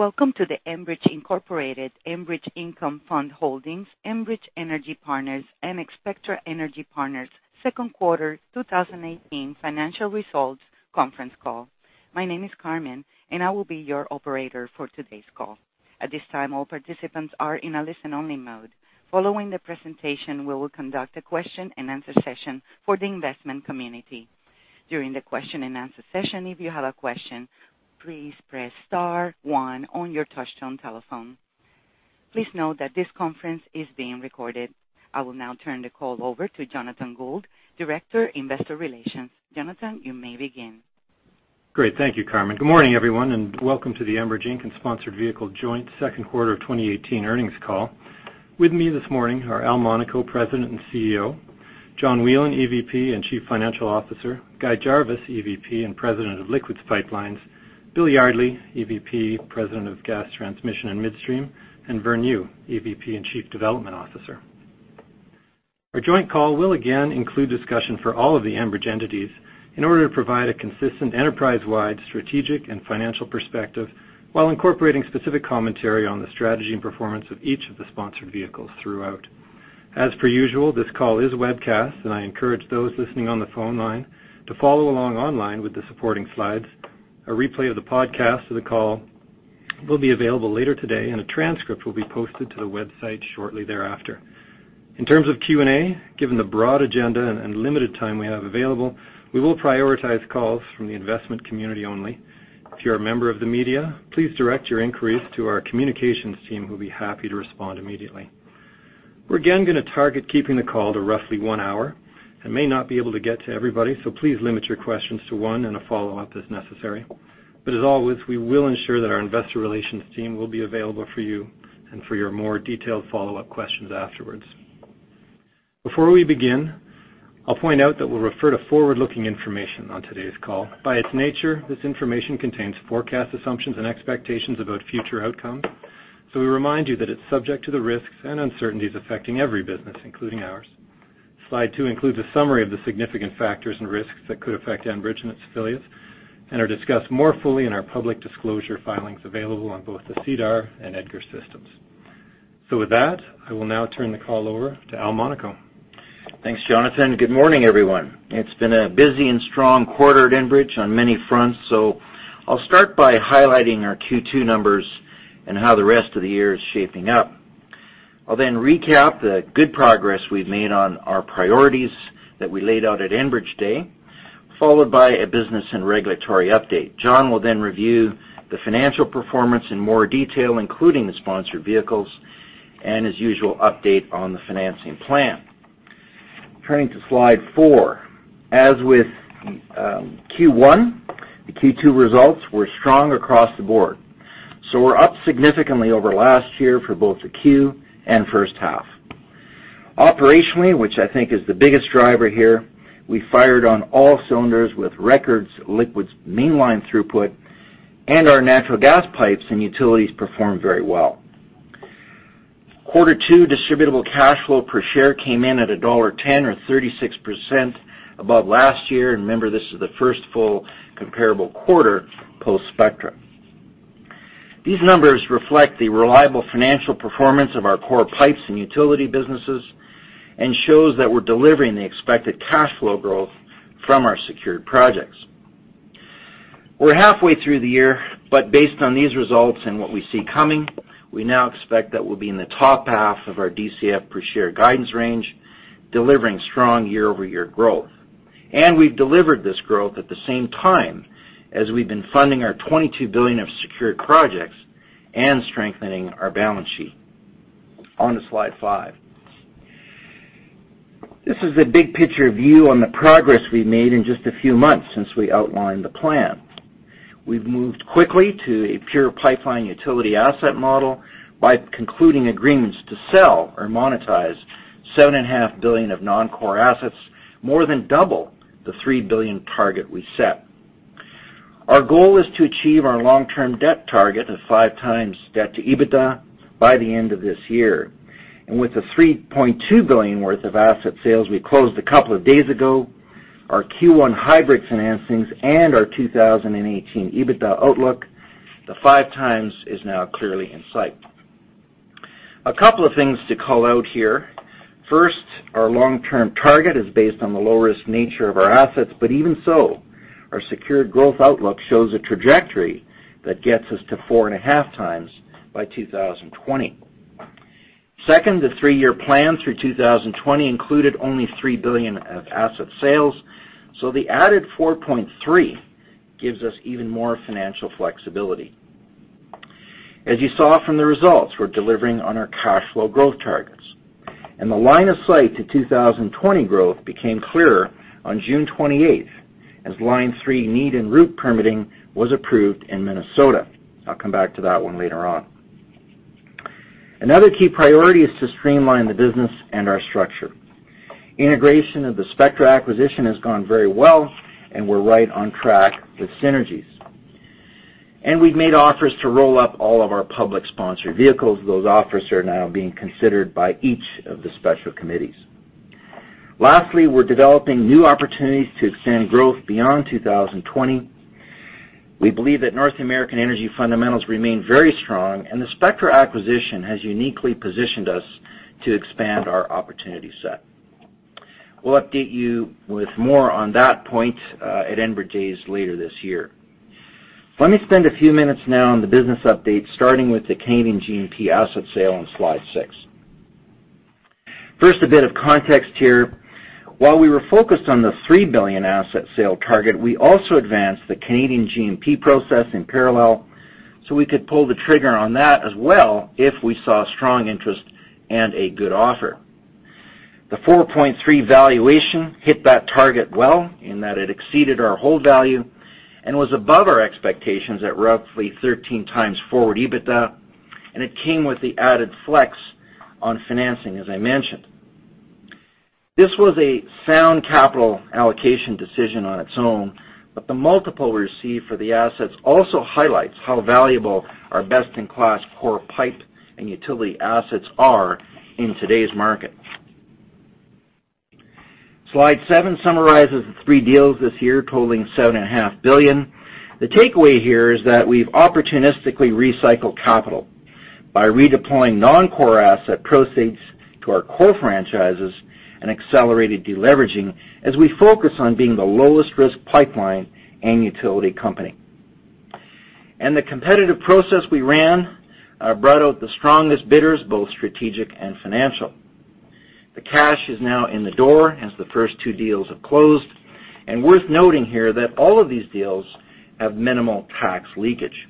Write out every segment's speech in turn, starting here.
Welcome to the Enbridge Incorporated, Enbridge Income Fund Holdings, Enbridge Energy Partners, and Spectra Energy Partners second quarter 2018 financial results conference call. My name is Carmen, and I will be your operator for today's call. At this time, all participants are in a listen-only mode. Following the presentation, we will conduct a question and answer session for the investment community. During the question and answer session, if you have a question, please press star one on your touch-tone telephone. Please note that this conference is being recorded. I will now turn the call over to Jonathan Gould, Director, Investor Relations. Jonathan, you may begin. Great. Thank you, Carmen. Good morning, everyone, welcome to the Enbridge Inc. and Sponsored Vehicle joint second quarter 2018 earnings call. With me this morning are Al Monaco, President and CEO; John Whelen, EVP and Chief Financial Officer; Guy Jarvis, EVP and President of Liquids Pipelines; Bill Yardley, EVP, President of Gas Transmission and Midstream; and Vern Yu, EVP and Chief Development Officer. Our joint call will again include discussion for all of the Enbridge entities in order to provide a consistent enterprise-wide strategic and financial perspective while incorporating specific commentary on the strategy and performance of each of the sponsored vehicles throughout. As per usual, this call is webcast, I encourage those listening on the phone line to follow along online with the supporting slides. A replay of the podcast of the call will be available later today, a transcript will be posted to the website shortly thereafter. In terms of Q&A, given the broad agenda and limited time we have available, we will prioritize calls from the investment community only. If you're a member of the media, please direct your inquiries to our communications team, who'll be happy to respond immediately. We're again going to target keeping the call to roughly one hour and may not be able to get to everybody, so please limit your questions to one and a follow-up as necessary. As always, we will ensure that our investor relations team will be available for you and for your more detailed follow-up questions afterwards. Before we begin, I'll point out that we'll refer to forward-looking information on today's call. By its nature, this information contains forecast assumptions and expectations about future outcomes. We remind you that it's subject to the risks and uncertainties affecting every business, including ours. Slide two includes a summary of the significant factors and risks that could affect Enbridge and its affiliates and are discussed more fully in our public disclosure filings available on both the SEDAR and EDGAR systems. With that, I will now turn the call over to Al Monaco. Thanks, Jonathan. Good morning, everyone. It's been a busy and strong quarter at Enbridge on many fronts. I'll start by highlighting our Q2 numbers and how the rest of the year is shaping up. I'll then recap the good progress we've made on our priorities that we laid out at Enbridge Day, followed by a business and regulatory update. John will then review the financial performance in more detail, including the sponsored vehicles and his usual update on the financing plan. Turning to slide four. As with Q1, the Q2 results were strong across the board, so we're up significantly over last year for both the Q and first half. Operationally, which I think is the biggest driver here, we fired on all cylinders with record Liquids Mainline throughput and our natural gas pipes and utilities performed very well. Quarter two distributable cash flow per share came in at dollar 1.10, or 36% above last year. Remember, this is the first full comparable quarter post-Spectra. These numbers reflect the reliable financial performance of our core pipes and utility businesses and shows that we're delivering the expected cash flow growth from our secured projects. We're halfway through the year, but based on these results and what we see coming, we now expect that we'll be in the top half of our DCF per share guidance range, delivering strong year-over-year growth. We've delivered this growth at the same time as we've been funding our 22 billion of secured projects and strengthening our balance sheet. On to slide five. This is a big picture view on the progress we've made in just a few months since we outlined the plan. We've moved quickly to a pure pipeline utility asset model by concluding agreements to sell or monetize 7.5 billion of non-core assets, more than double the 3 billion target we set. Our goal is to achieve our long-term debt target of five times debt to EBITDA by the end of this year. With the 3.2 billion worth of asset sales we closed a couple of days ago, our Q1 hybrid financings and our 2018 EBITDA outlook, the five times is now clearly in sight. A couple of things to call out here. First, our long-term target is based on the low-risk nature of our assets, but even so, our secured growth outlook shows a trajectory that gets us to four and a half times by 2020. Second, the three-year plan through 2020 included only 3 billion of asset sales, the added 4.3 gives us even more financial flexibility. As you saw from the results, we're delivering on our cash flow growth targets, the line of sight to 2020 growth became clearer on June 28th as Line 3 need and route permitting was approved in Minnesota. I'll come back to that one later on. Another key priority is to streamline the business and our structure. Integration of the Spectra acquisition has gone very well, and we're right on track with synergies. We've made offers to roll up all of our public sponsored vehicles. Those offers are now being considered by each of the special committees. Lastly, we're developing new opportunities to extend growth beyond 2020. We believe that North American energy fundamentals remain very strong, and the Spectra acquisition has uniquely positioned us to expand our opportunity set. We'll update you with more on that point at Enbridge Days later this year. Let me spend a few minutes now on the business update, starting with the Canadian G&P asset sale on slide six. First, a bit of context here. While we were focused on the 3 billion asset sale target, we also advanced the Canadian G&P process in parallel so we could pull the trigger on that as well if we saw strong interest and a good offer. The 4.3 billion valuation hit that target well in that it exceeded our hold value and was above our expectations at roughly 13x forward EBITDA, and it came with the added flex on financing, as I mentioned. This was a sound capital allocation decision on its own, but the multiple we received for the assets also highlights how valuable our best-in-class core pipe and utility assets are in today's market. Slide seven summarizes the three deals this year totaling 7.5 billion. The takeaway here is that we've opportunistically recycled capital by redeploying non-core asset proceeds to our core franchises and accelerated de-leveraging as we focus on being the lowest-risk pipeline and utility company. The competitive process we ran brought out the strongest bidders, both strategic and financial. The cash is now in the door as the first two deals have closed. Worth noting here that all of these deals have minimal tax leakage.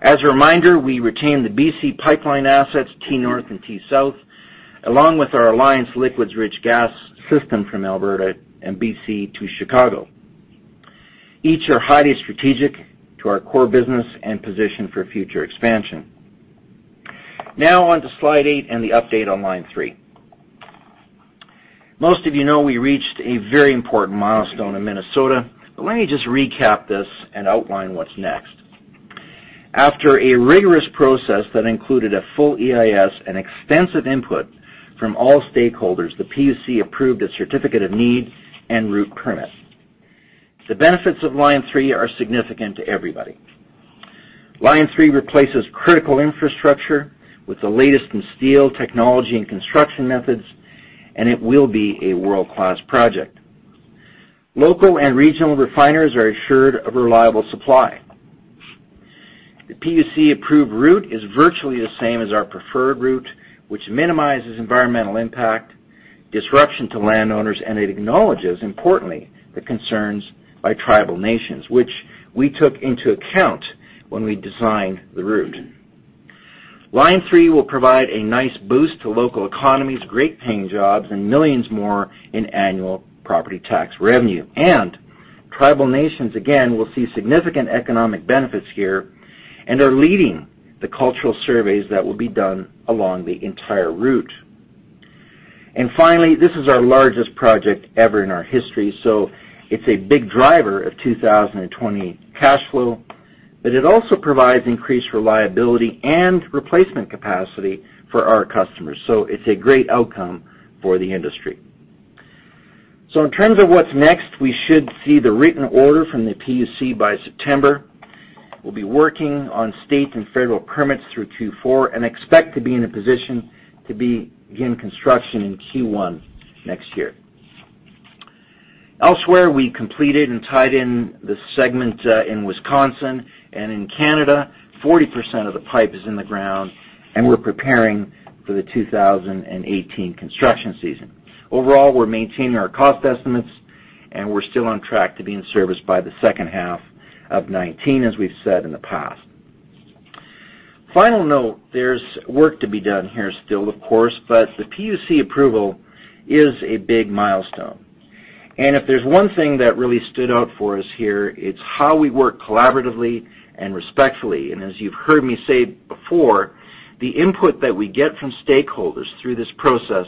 As a reminder, we retain the BC Pipeline assets, T-North and T-South, along with our Alliance liquids rich gas system from Alberta and BC to Chicago. Each are highly strategic to our core business and position for future expansion. Now on to slide eight and the update on Line 3. Most of you know we reached a very important milestone in Minnesota, but let me just recap this and outline what's next. After a rigorous process that included a full EIS and extensive input from all stakeholders, the PUC approved a certificate of need and route permit. The benefits of Line 3 are significant to everybody. Line 3 replaces critical infrastructure with the latest in steel technology and construction methods, and it will be a world-class project. Local and regional refiners are assured of reliable supply. The PUC-approved route is virtually the same as our preferred route, which minimizes environmental impact, disruption to landowners, and it acknowledges, importantly, the concerns by tribal nations, which we took into account when we designed the route. Line 3 will provide a nice boost to local economies, great-paying jobs, and millions more in annual property tax revenue. Tribal nations, again, will see significant economic benefits here and are leading the cultural surveys that will be done along the entire route. Finally, this is our largest project ever in our history, so it's a big driver of 2020 cash flow, but it also provides increased reliability and replacement capacity for our customers. It's a great outcome for the industry. In terms of what's next, we should see the written order from the PUC by September. We'll be working on state and federal permits through Q4 and expect to be in a position to begin construction in Q1 next year. Elsewhere, we completed and tied in the segment in Wisconsin and in Canada. 40% of the pipe is in the ground, and we're preparing for the 2018 construction season. Overall, we're maintaining our cost estimates, and we're still on track to be in service by the second half of 2019, as we've said in the past. Final note, there's work to be done here still, of course, but the PUC approval is a big milestone. If there's one thing that really stood out for us here, it's how we work collaboratively and respectfully. As you've heard me say before, the input that we get from stakeholders through this process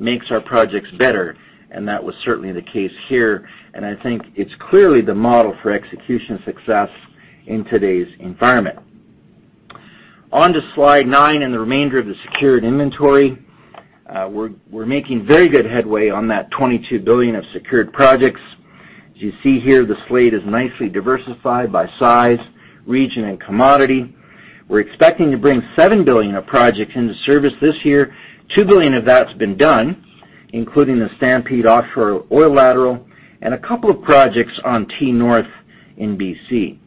makes our projects better, and that was certainly the case here. I think it's clearly the model for execution success in today's environment. On to slide nine and the remainder of the secured inventory. We're making very good headway on that 22 billion of secured projects. As you see here, the slate is nicely diversified by size, region, and commodity. We're expecting to bring 7 billion of projects into service this year. 2 billion of that's been done, including the Stampede offshore oil lateral and a couple of projects on T-North in BC.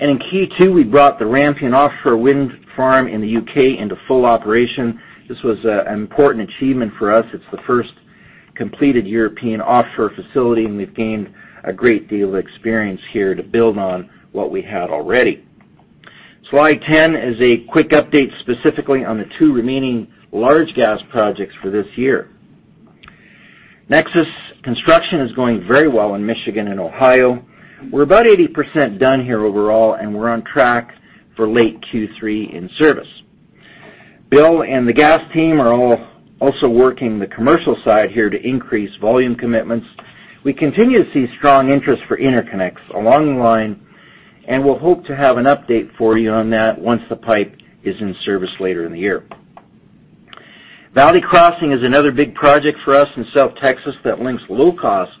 In Q2, we brought the Rampion Offshore Wind Farm in the U.K. into full operation. This was an important achievement for us. It's the first completed European offshore facility, and we've gained a great deal of experience here to build on what we had already. Slide 10 is a quick update specifically on the two remaining large gas projects for this year. NEXUS construction is going very well in Michigan and Ohio. We're about 80% done here overall, and we're on track for late Q3 in service. Bill and the gas team are all also working the commercial side here to increase volume commitments. We continue to see strong interest for interconnects along the line. We'll hope to have an update for you on that once the pipe is in service later in the year. Valley Crossing is another big project for us in South Texas that links low-cost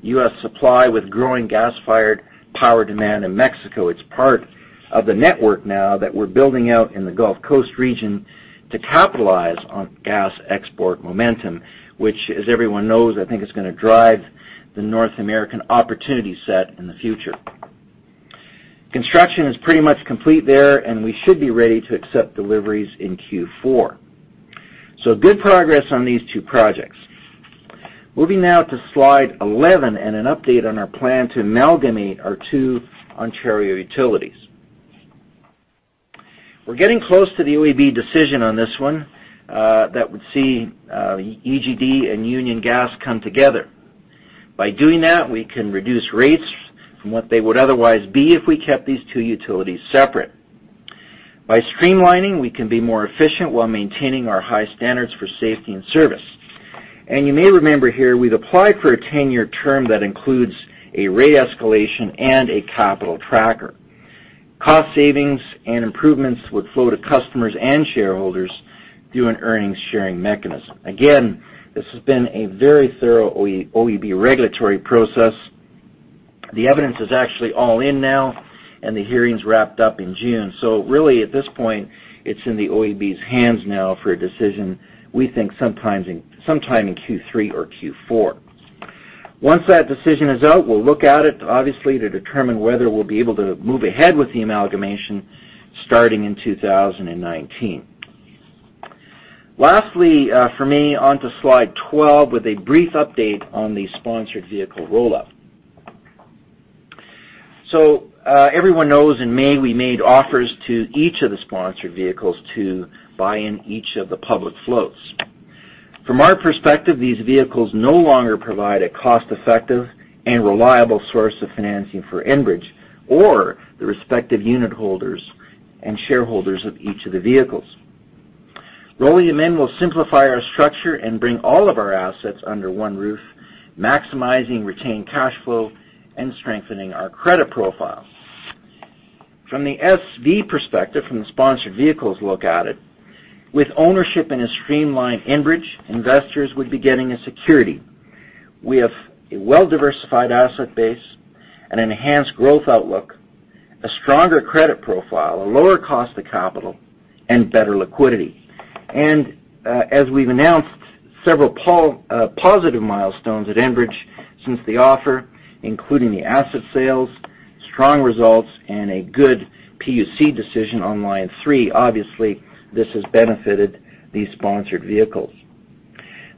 U.S. supply with growing gas-fired power demand in Mexico. It's part of the network now that we're building out in the Gulf Coast region to capitalize on gas export momentum, which, as everyone knows, I think is going to drive the North American opportunity set in the future. Construction is pretty much complete there, and we should be ready to accept deliveries in Q4. Good progress on these two projects. Moving now to slide 11 and an update on our plan to amalgamate our two Ontario utilities. We're getting close to the OEB decision on this one, that would see EGD and Union Gas come together. By doing that, we can reduce rates from what they would otherwise be if we kept these two utilities separate. By streamlining, we can be more efficient while maintaining our high standards for safety and service. You may remember here, we've applied for a 10-year term that includes a rate escalation and a capital tracker. Cost savings and improvements would flow to customers and shareholders through an earnings sharing mechanism. Again, this has been a very thorough OEB regulatory process. The evidence is actually all in now, and the hearings wrapped up in June. Really at this point, it's in the OEB's hands now for a decision, we think sometime in Q3 or Q4. Once that decision is out, we'll look at it, obviously, to determine whether we'll be able to move ahead with the amalgamation starting in 2019. Lastly, for me, onto slide 12 with a brief update on the sponsored vehicle roll-up. Everyone knows in May, we made offers to each of the sponsored vehicles to buy in each of the public floats. From our perspective, these vehicles no longer provide a cost-effective and reliable source of financing for Enbridge or the respective unit holders and shareholders of each of the vehicles. Rolling them in will simplify our structure and bring all of our assets under one roof, maximizing retained cash flow and strengthening our credit profile. From the SV perspective, from the sponsored vehicle's look at it, with ownership in a streamlined Enbridge, investors would be getting a security. We have a well-diversified asset base, an enhanced growth outlook, a stronger credit profile, a lower cost of capital, and better liquidity. As we've announced several positive milestones at Enbridge since the offer, including the asset sales, strong results, and a good PUC decision on Line 3, obviously, this has benefited these sponsored vehicles.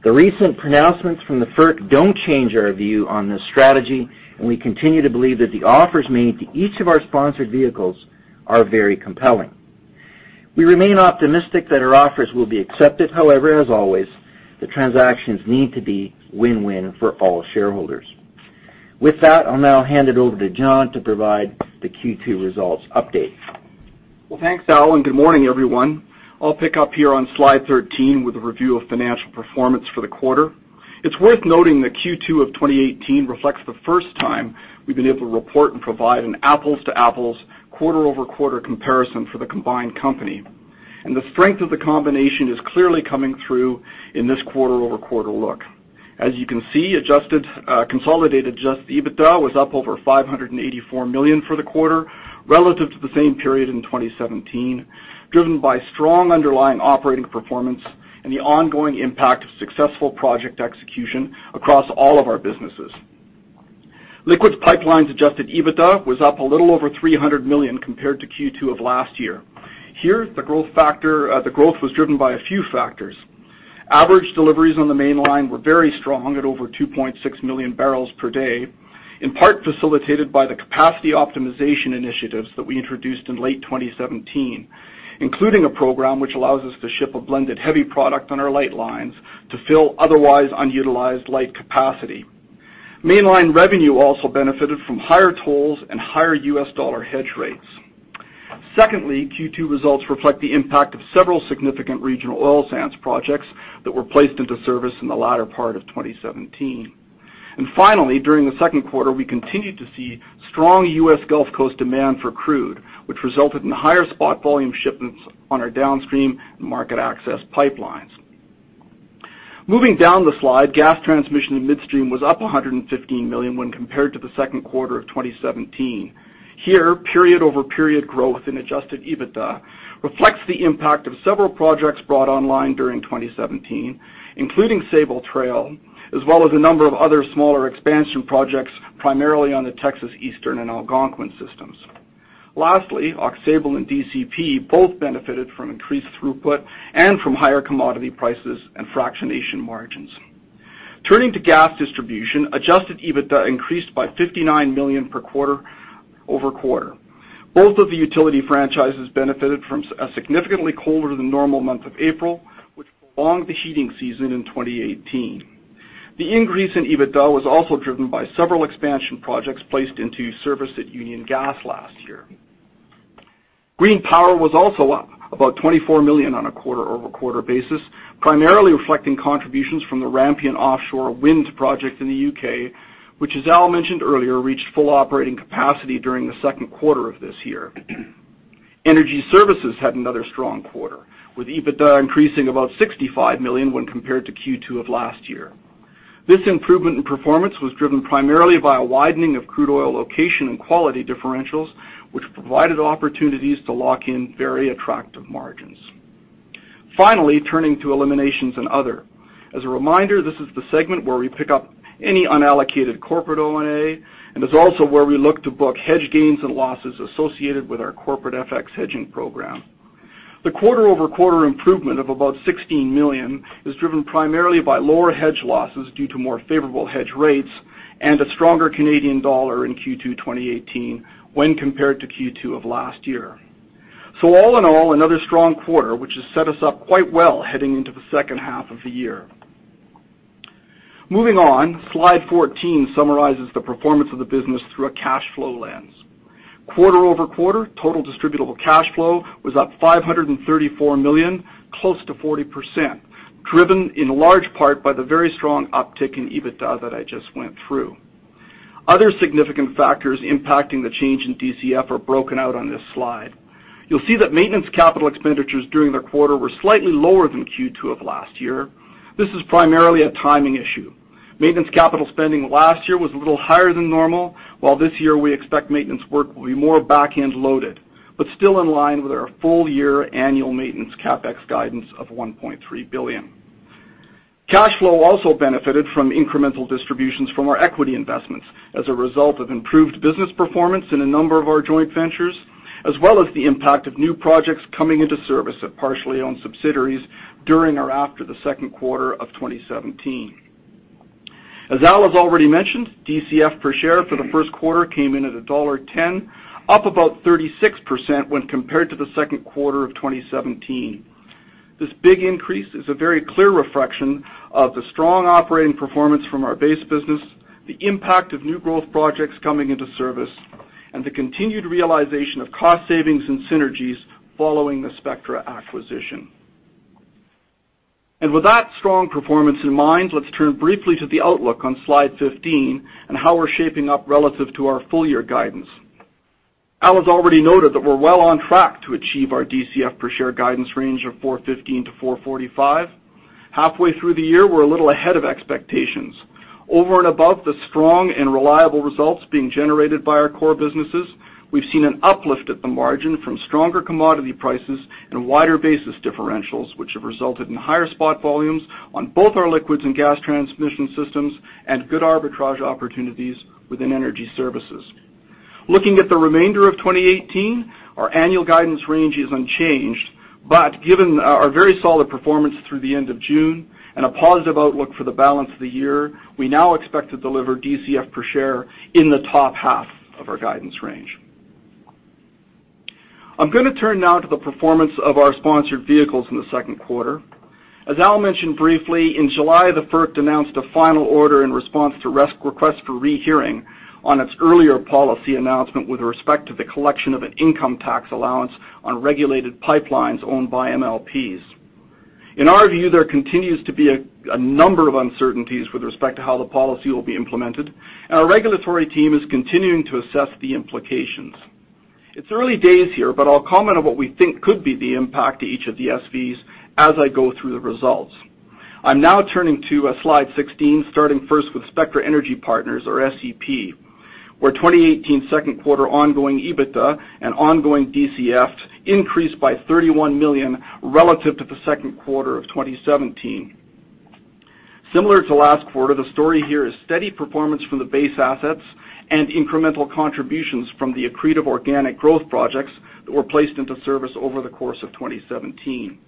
The recent pronouncements from the FERC don't change our view on this strategy, and we continue to believe that the offers made to each of our sponsored vehicles are very compelling. We remain optimistic that our offers will be accepted. However, as always, the transactions need to be win-win for all shareholders. With that, I'll now hand it over to John to provide the Q2 results update. Well, thanks, Al, and good morning, everyone. I'll pick up here on slide 13 with a review of financial performance for the quarter. It's worth noting that Q2 of 2018 reflects the first time we've been able to report and provide an apples-to-apples quarter-over-quarter comparison for the combined company, and the strength of the combination is clearly coming through in this quarter-over-quarter look. As you can see, consolidated adjusted EBITDA was up over 584 million for the quarter relative to the same period in 2017, driven by strong underlying operating performance and the ongoing impact of successful project execution across all of our businesses. Liquids Pipelines adjusted EBITDA was up a little over 300 million compared to Q2 of last year. Here, the growth was driven by a few factors. Average deliveries on the Mainline were very strong at over 2.6 million barrels per day, in part facilitated by the capacity optimization initiatives that we introduced in late 2017, including a program which allows us to ship a blended heavy product on our light lines to fill otherwise unutilized light capacity. Mainline revenue also benefited from higher tolls and higher US dollar hedge rates. Secondly, Q2 results reflect the impact of several significant regional oil sands projects that were placed into service in the latter part of 2017. Finally, during the second quarter, we continued to see strong U.S. Gulf Coast demand for crude, which resulted in higher spot volume shipments on our downstream market access pipelines. Moving down the slide, Gas Transmission and Midstream was up 115 million when compared to the second quarter of 2017. Here, period-over-period growth in adjusted EBITDA reflects the impact of several projects brought online during 2017, including Sabal Trail, as well as a number of other smaller expansion projects, primarily on the Texas Eastern and Algonquin systems. Aux Sable and DCP both benefited from increased throughput and from higher commodity prices and fractionation margins. Turning to Gas Distribution, adjusted EBITDA increased by 59 million quarter-over-quarter. Both of the utility franchises benefited from a significantly colder than normal month of April, which prolonged the heating season in 2018. The increase in EBITDA was also driven by several expansion projects placed into service at Union Gas last year. Green power was also up about 24 million on a quarter-over-quarter basis, primarily reflecting contributions from the Rampion Offshore Wind project in the U.K., which, as Al mentioned earlier, reached full operating capacity during the second quarter of this year. Energy Services had another strong quarter, with EBITDA increasing about 65 million when compared to Q2 of last year. This improvement in performance was driven primarily by a widening of crude oil location and quality differentials, which provided opportunities to lock in very attractive margins. Turning to Eliminations and Other. As a reminder, this is the segment where we pick up any unallocated corporate O&A and is also where we look to book hedge gains and losses associated with our corporate FX hedging program. The quarter-over-quarter improvement of about 16 million is driven primarily by lower hedge losses due to more favorable hedge rates and a stronger Canadian dollar in Q2 2018 when compared to Q2 of last year. All in all, another strong quarter, which has set us up quite well heading into the second half of the year. Moving on, slide 14 summarizes the performance of the business through a cash flow lens. Quarter-over-quarter, total distributable cash flow was up 534 million, close to 40%, driven in large part by the very strong uptick in EBITDA that I just went through. Other significant factors impacting the change in DCF are broken out on this slide. You'll see that maintenance capital expenditures during the quarter were slightly lower than Q2 of last year. This is primarily a timing issue. Maintenance capital spending last year was a little higher than normal, while this year we expect maintenance work will be more back-end loaded, but still in line with our full-year annual maintenance CapEx guidance of 1.3 billion. Cash flow also benefited from incremental distributions from our equity investments as a result of improved business performance in a number of our joint ventures, as well as the impact of new projects coming into service at partially owned subsidiaries during or after the second quarter of 2017. As Al has already mentioned, DCF per share for the first quarter came in at dollar 1.10, up about 36% when compared to the second quarter of 2017. This big increase is a very clear reflection of the strong operating performance from our base business, the impact of new growth projects coming into service, and the continued realization of cost savings and synergies following the Spectra acquisition. With that strong performance in mind, let's turn briefly to the outlook on slide 15 and how we're shaping up relative to our full-year guidance. Al has already noted that we're well on track to achieve our DCF per share guidance range of 4.15-4.45. Halfway through the year, we're a little ahead of expectations. Over and above the strong and reliable results being generated by our core businesses, we've seen an uplift at the margin from stronger commodity prices and wider basis differentials, which have resulted in higher spot volumes on both our Liquids Pipelines and Gas Transmission and Midstream systems and good arbitrage opportunities within energy services. Looking at the remainder of 2018, our annual guidance range is unchanged, but given our very solid performance through the end of June and a positive outlook for the balance of the year, we now expect to deliver DCF per share in the top half of our guidance range. I'm going to turn now to the performance of our sponsored vehicles in the second quarter. As Al mentioned briefly, in July, the FERC announced a final order in response to request for rehearing on its earlier policy announcement with respect to the collection of an income tax allowance on regulated pipelines owned by MLPs. In our view, there continues to be a number of uncertainties with respect to how the policy will be implemented. Our regulatory team is continuing to assess the implications. It's early days here, but I'll comment on what we think could be the impact to each of the SVs as I go through the results. I'm now turning to slide 16, starting first with Spectra Energy Partners, or SEP, where 2018 second quarter ongoing EBITDA and ongoing DCF increased by 31 million relative to the second quarter of 2017. Similar to last quarter, the story here is steady performance from the base assets and incremental contributions from the accretive organic growth projects that were placed into service over the course of 2017.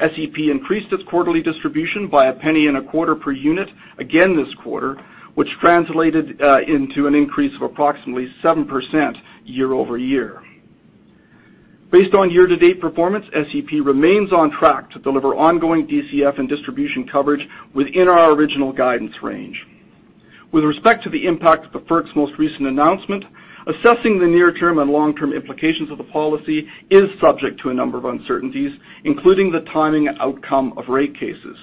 SEP increased its quarterly distribution by a penny and a quarter per unit again this quarter, which translated into an increase of approximately 7% year-over-year. Based on year-to-date performance, SEP remains on track to deliver ongoing DCF and distribution coverage within our original guidance range. With respect to the impact of the FERC's most recent announcement, assessing the near-term and long-term implications of the policy is subject to a number of uncertainties, including the timing and outcome of rate cases.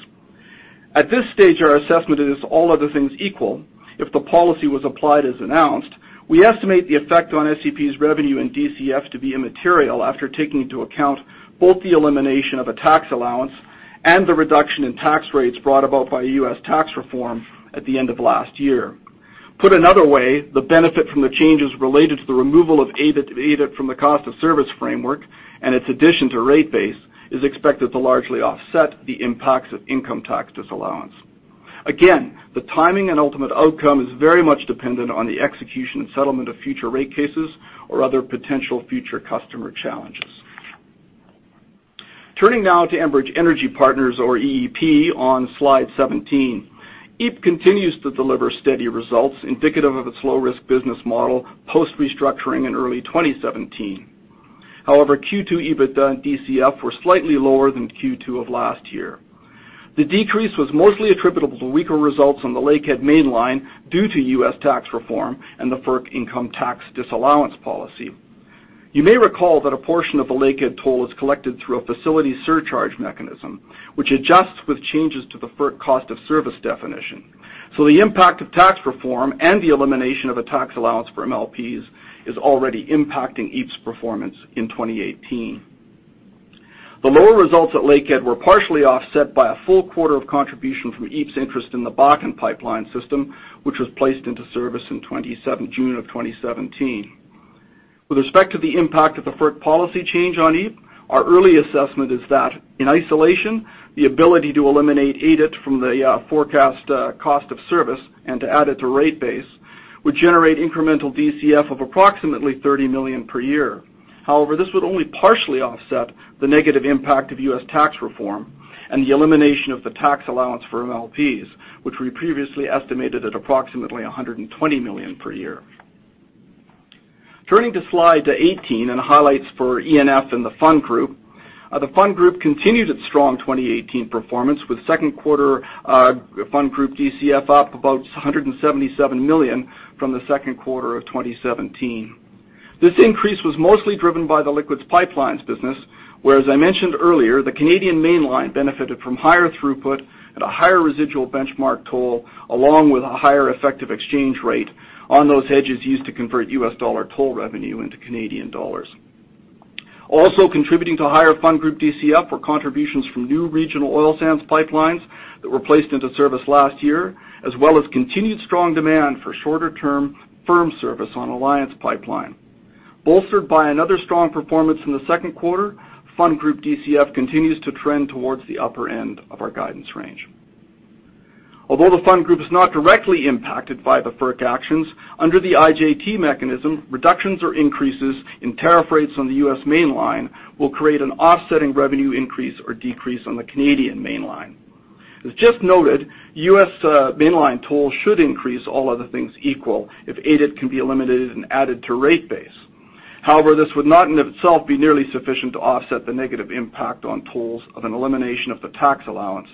At this stage, our assessment is all other things equal, if the policy was applied as announced, we estimate the effect on SEP's revenue and DCF to be immaterial after taking into account both the elimination of a tax allowance and the reduction in tax rates brought about by U.S. tax reform at the end of last year. Put another way, the benefit from the changes related to the removal of ADIT from the cost of service framework and its addition to rate base is expected to largely offset the impacts of income tax disallowance. The timing and ultimate outcome is very much dependent on the execution and settlement of future rate cases or other potential future customer challenges. Turning now to Enbridge Energy Partners or EEP on slide 17. EEP continues to deliver steady results indicative of its low-risk business model post-restructuring in early 2017. Q2 EBITDA and DCF were slightly lower than Q2 of last year. The decrease was mostly attributable to weaker results on the Lakehead Mainline due to U.S. tax reform and the FERC income tax disallowance policy. You may recall that a portion of the Lakehead toll is collected through a facility surcharge mechanism, which adjusts with changes to the FERC cost of service definition. The impact of tax reform and the elimination of a tax allowance for MLPs is already impacting EEP's performance in 2018. The lower results at Lakehead were partially offset by a full quarter of contribution from EEP's interest in the Bakken Pipeline System, which was placed into service in June of 2017. With respect to the impact of the FERC policy change on EEP, our early assessment is that in isolation, the ability to eliminate ADIT from the forecast cost of service and to add it to rate base would generate incremental DCF of approximately 30 million per year. This would only partially offset the negative impact of U.S. tax reform and the elimination of the tax allowance for MLPs, which we previously estimated at approximately 120 million per year. Turning to slide 18 and highlights for ENF and the Fund Group. The Fund Group continued its strong 2018 performance with second quarter Fund Group DCF up about 177 million from the second quarter of 2017. This increase was mostly driven by the Liquids Pipelines business, where, as I mentioned earlier, the Canadian Mainline benefited from higher throughput at a higher residual benchmark toll, along with a higher effective exchange rate on those hedges used to convert U.S. dollar toll revenue into Canadian dollars. Also contributing to higher Fund Group DCF were contributions from new regional oil sands pipelines that were placed into service last year, as well as continued strong demand for shorter-term firm service on Alliance Pipeline. Bolstered by another strong performance in the second quarter, Fund Group DCF continues to trend towards the upper end of our guidance range. Although the Fund Group is not directly impacted by the FERC actions, under the IJT mechanism, reductions or increases in tariff rates on the U.S. Mainline will create an offsetting revenue increase or decrease on the Canadian Mainline. As just noted, U.S. Mainline tolls should increase all other things equal if ADIT can be eliminated and added to rate base. This would not in itself be nearly sufficient to offset the negative impact on tolls of an elimination of the tax allowance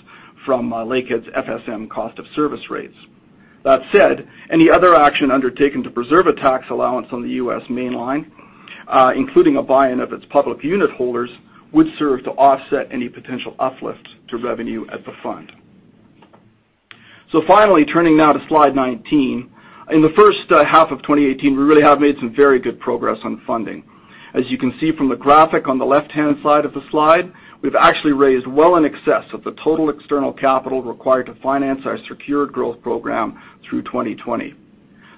from Lakehead's FSM cost of service rates. That said, any other action undertaken to preserve a tax allowance on the U.S. Mainline, including a buy-in of its public unit holders, would serve to offset any potential uplift to revenue at the Fund. Finally, turning now to slide 19. In the first half of 2018, we really have made some very good progress on funding. As you can see from the graphic on the left-hand side of the slide, we've actually raised well in excess of the total external capital required to finance our secured growth program through 2020.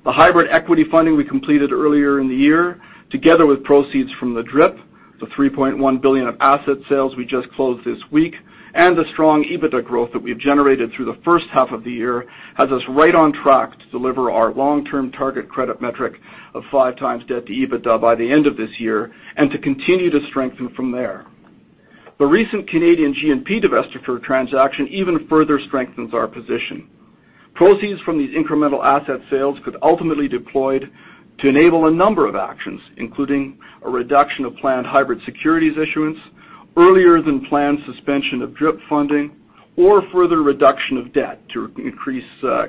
The hybrid equity funding we completed earlier in the year, together with proceeds from the DRIP, the 3.1 billion of asset sales we just closed this week, and the strong EBITDA growth that we've generated through the first half of the year has us right on track to deliver our long-term target credit metric of 5 times debt to EBITDA by the end of this year and to continue to strengthen from there. The recent Canadian G&P divestiture transaction even further strengthens our position. Proceeds from these incremental asset sales could ultimately deployed to enable a number of actions, including a reduction of planned hybrid securities issuance, earlier than planned suspension of DRIP funding, or further reduction of debt to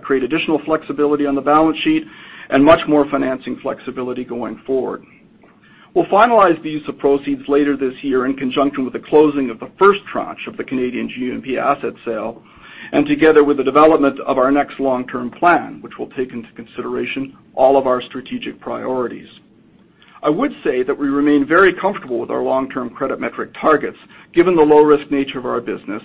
create additional flexibility on the balance sheet and much more financing flexibility going forward. We'll finalize the use of proceeds later this year in conjunction with the closing of the first tranche of the Canadian G&P asset sale, and together with the development of our next long-term plan, which will take into consideration all of our strategic priorities. I would say that we remain very comfortable with our long-term credit metric targets, given the low-risk nature of our business,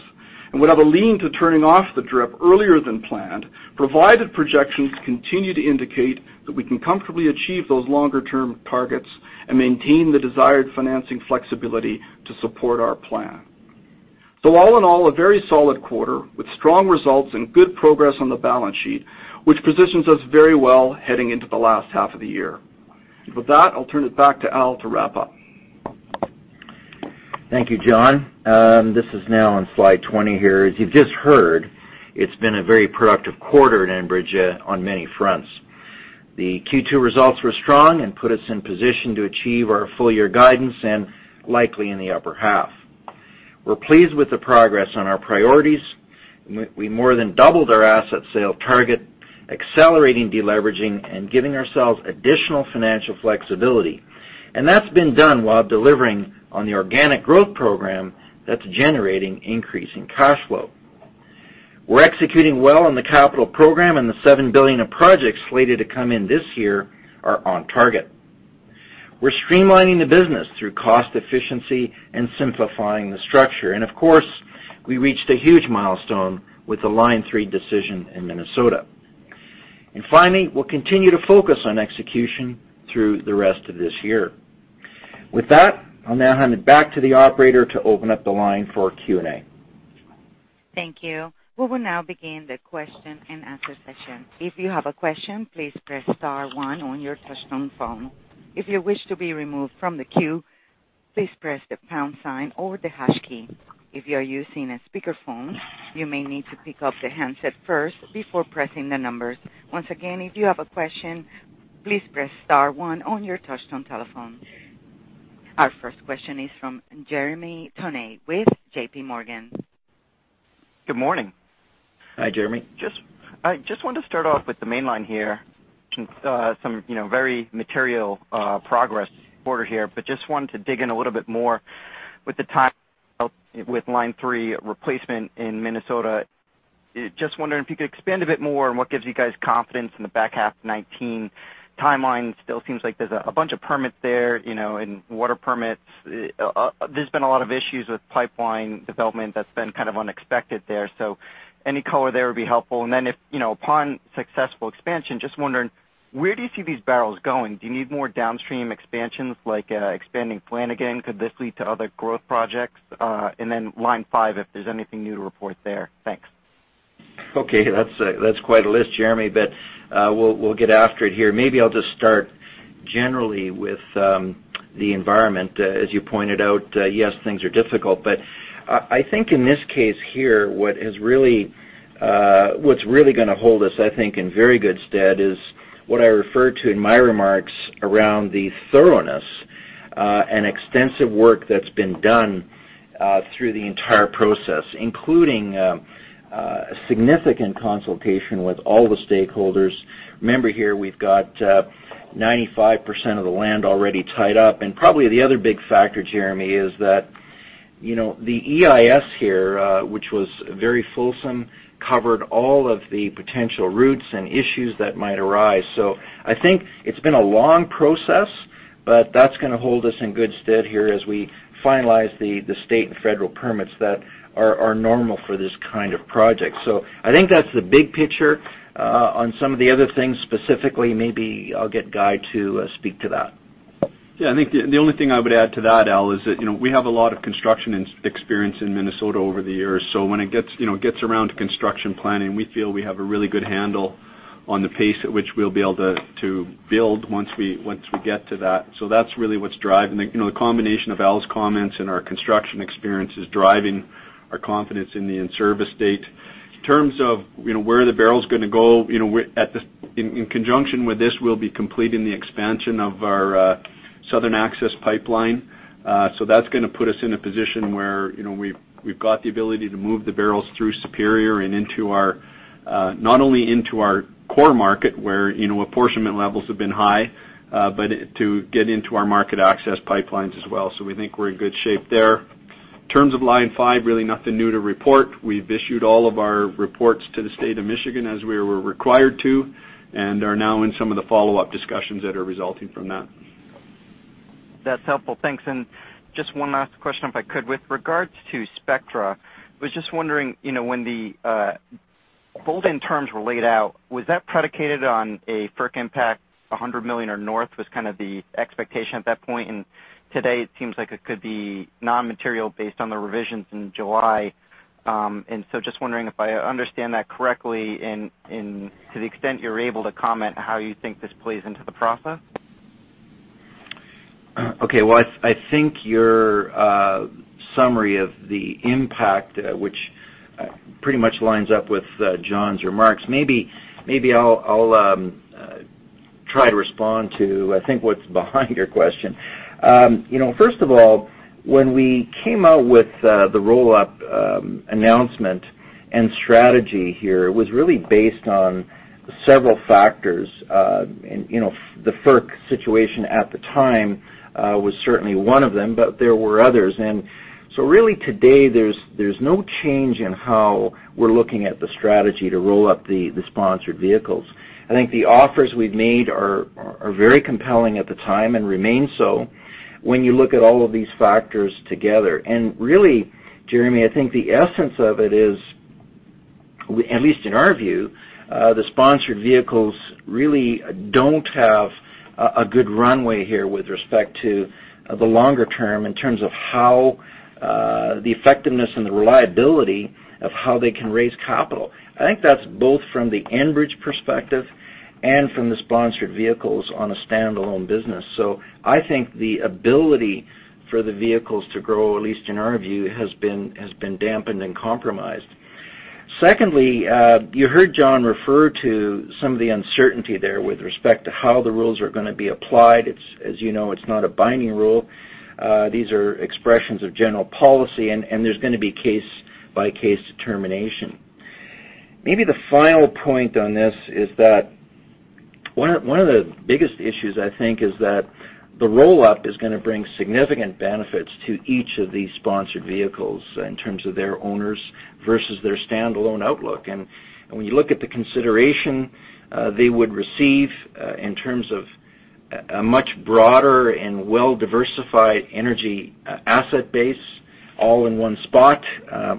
and would have a lean to turning off the DRIP earlier than planned, provided projections continue to indicate that we can comfortably achieve those longer-term targets and maintain the desired financing flexibility to support our plan. All in all, a very solid quarter with strong results and good progress on the balance sheet, which positions us very well heading into the last half of the year. With that, I'll turn it back to Al to wrap up. Thank you, John. This is now on slide 20 here. As you've just heard, it's been a very productive quarter at Enbridge on many fronts. The Q2 results were strong and put us in position to achieve our full-year guidance and likely in the upper half. We're pleased with the progress on our priorities. We more than doubled our asset sale target, accelerating de-leveraging and giving ourselves additional financial flexibility. That's been done while delivering on the organic growth program that's generating increasing cash flow. We're executing well on the capital program, and the 7 billion of projects slated to come in this year are on target. We're streamlining the business through cost efficiency and simplifying the structure. Of course, we reached a huge milestone with the Line 3 decision in Minnesota. Finally, we'll continue to focus on execution through the rest of this year. With that, I'll now hand it back to the operator to open up the line for Q&A. Thank you. We will now begin the question and answer session. If you have a question, please press star one on your touch-tone phone. If you wish to be removed from the queue, please press the pound sign or the hash key. If you are using a speakerphone, you may need to pick up the handset first before pressing the numbers. Once again, if you have a question, please press star one on your touch-tone telephone. Our first question is from Jeremy Tonet with JPMorgan. Good morning. Hi, Jeremy. I just want to start off with the Mainline here. Some very material progress quarter here, but just wanted to dig in a little bit more with the time with Line 3 replacement in Minnesota. Just wondering if you could expand a bit more on what gives you guys confidence in the back half 2019 timeline. Still seems like there's a bunch of permits there, and water permits. There's been a lot of issues with pipeline development that's been unexpected there. Any color there would be helpful. Upon successful expansion, just wondering, where do you see these barrels going? Do you need more downstream expansions, like expanding Flanagan? Could this lead to other growth projects? Line 5, if there's anything new to report there. Thanks. Okay. That's quite a list, Jeremy, but we'll get after it here. Maybe I'll just start generally with the environment. As you pointed out, yes, things are difficult, but I think in this case here, what's really going to hold us, I think, in very good stead is what I referred to in my remarks around the thoroughness, and extensive work that's been done through the entire process, including significant consultation with all the stakeholders. Remember here, we've got 95% of the land already tied up, and probably the other big factor, Jeremy, is that the EIS here, which was very fulsome, covered all of the potential routes and issues that might arise. I think it's been a long process, but that's going to hold us in good stead here as we finalize the state and federal permits that are normal for this kind of project. I think that's the big picture. On some of the other things specifically, maybe I'll get Guy to speak to that. I think the only thing I would add to that, Al, is that we have a lot of construction experience in Minnesota over the years. When it gets around to construction planning, we feel we have a really good handle on the pace at which we'll be able to build once we get to that. That's really what's driving The combination of Al's comments and our construction experience is driving our confidence in the in-service date. In terms of where the barrel's going to go, in conjunction with this, we'll be completing the expansion of our Southern Access Pipeline. That's going to put us in a position where we've got the ability to move the barrels through Superior and not only into our core market, where apportionment levels have been high, but to get into our market access pipelines as well. We think we're in good shape there. In terms of Line 5, really nothing new to report. We've issued all of our reports to the state of Michigan as we were required to, and are now in some of the follow-up discussions that are resulting from that. That's helpful. Thanks. Just one last question, if I could. With regards to Spectra, I was just wondering, when the [fold-in terms] were laid out, was that predicated on a FERC impact, 100 million or north was the expectation at that point? Today, it seems like it could be non-material based on the revisions in July. Just wondering if I understand that correctly and to the extent you're able to comment, how you think this plays into the process. Okay. Well, I think your summary of the impact, which pretty much lines up with John's remarks. Maybe I'll try to respond to, I think, what's behind your question. First of all, when we came out with the roll-up announcement and strategy here, it was really based on several factors. The FERC situation at the time was certainly one of them, but there were others. Really today, there's no change in how we're looking at the strategy to roll up the sponsored vehicles. I think the offers we've made are very compelling at the time and remain so when you look at all of these factors together. Really, Jeremy, I think the essence of it is, at least in our view, the sponsored vehicles really don't have a good runway here with respect to the longer term in terms of how the effectiveness and the reliability of how they can raise capital. I think that's both from the Enbridge perspective and from the sponsored vehicles on a standalone business. I think the ability for the vehicles to grow, at least in our view, has been dampened and compromised. Secondly, you heard John refer to some of the uncertainty there with respect to how the rules are going to be applied. As you know, it's not a binding rule. These are expressions of general policy, and there's going to be case-by-case determination. Maybe the final point on this is that one of the biggest issues, I think, is that the roll-up is going to bring significant benefits to each of these sponsored vehicles in terms of their owners versus their standalone outlook. When you look at the consideration they would receive in terms of a much broader and well-diversified energy asset base all in one spot.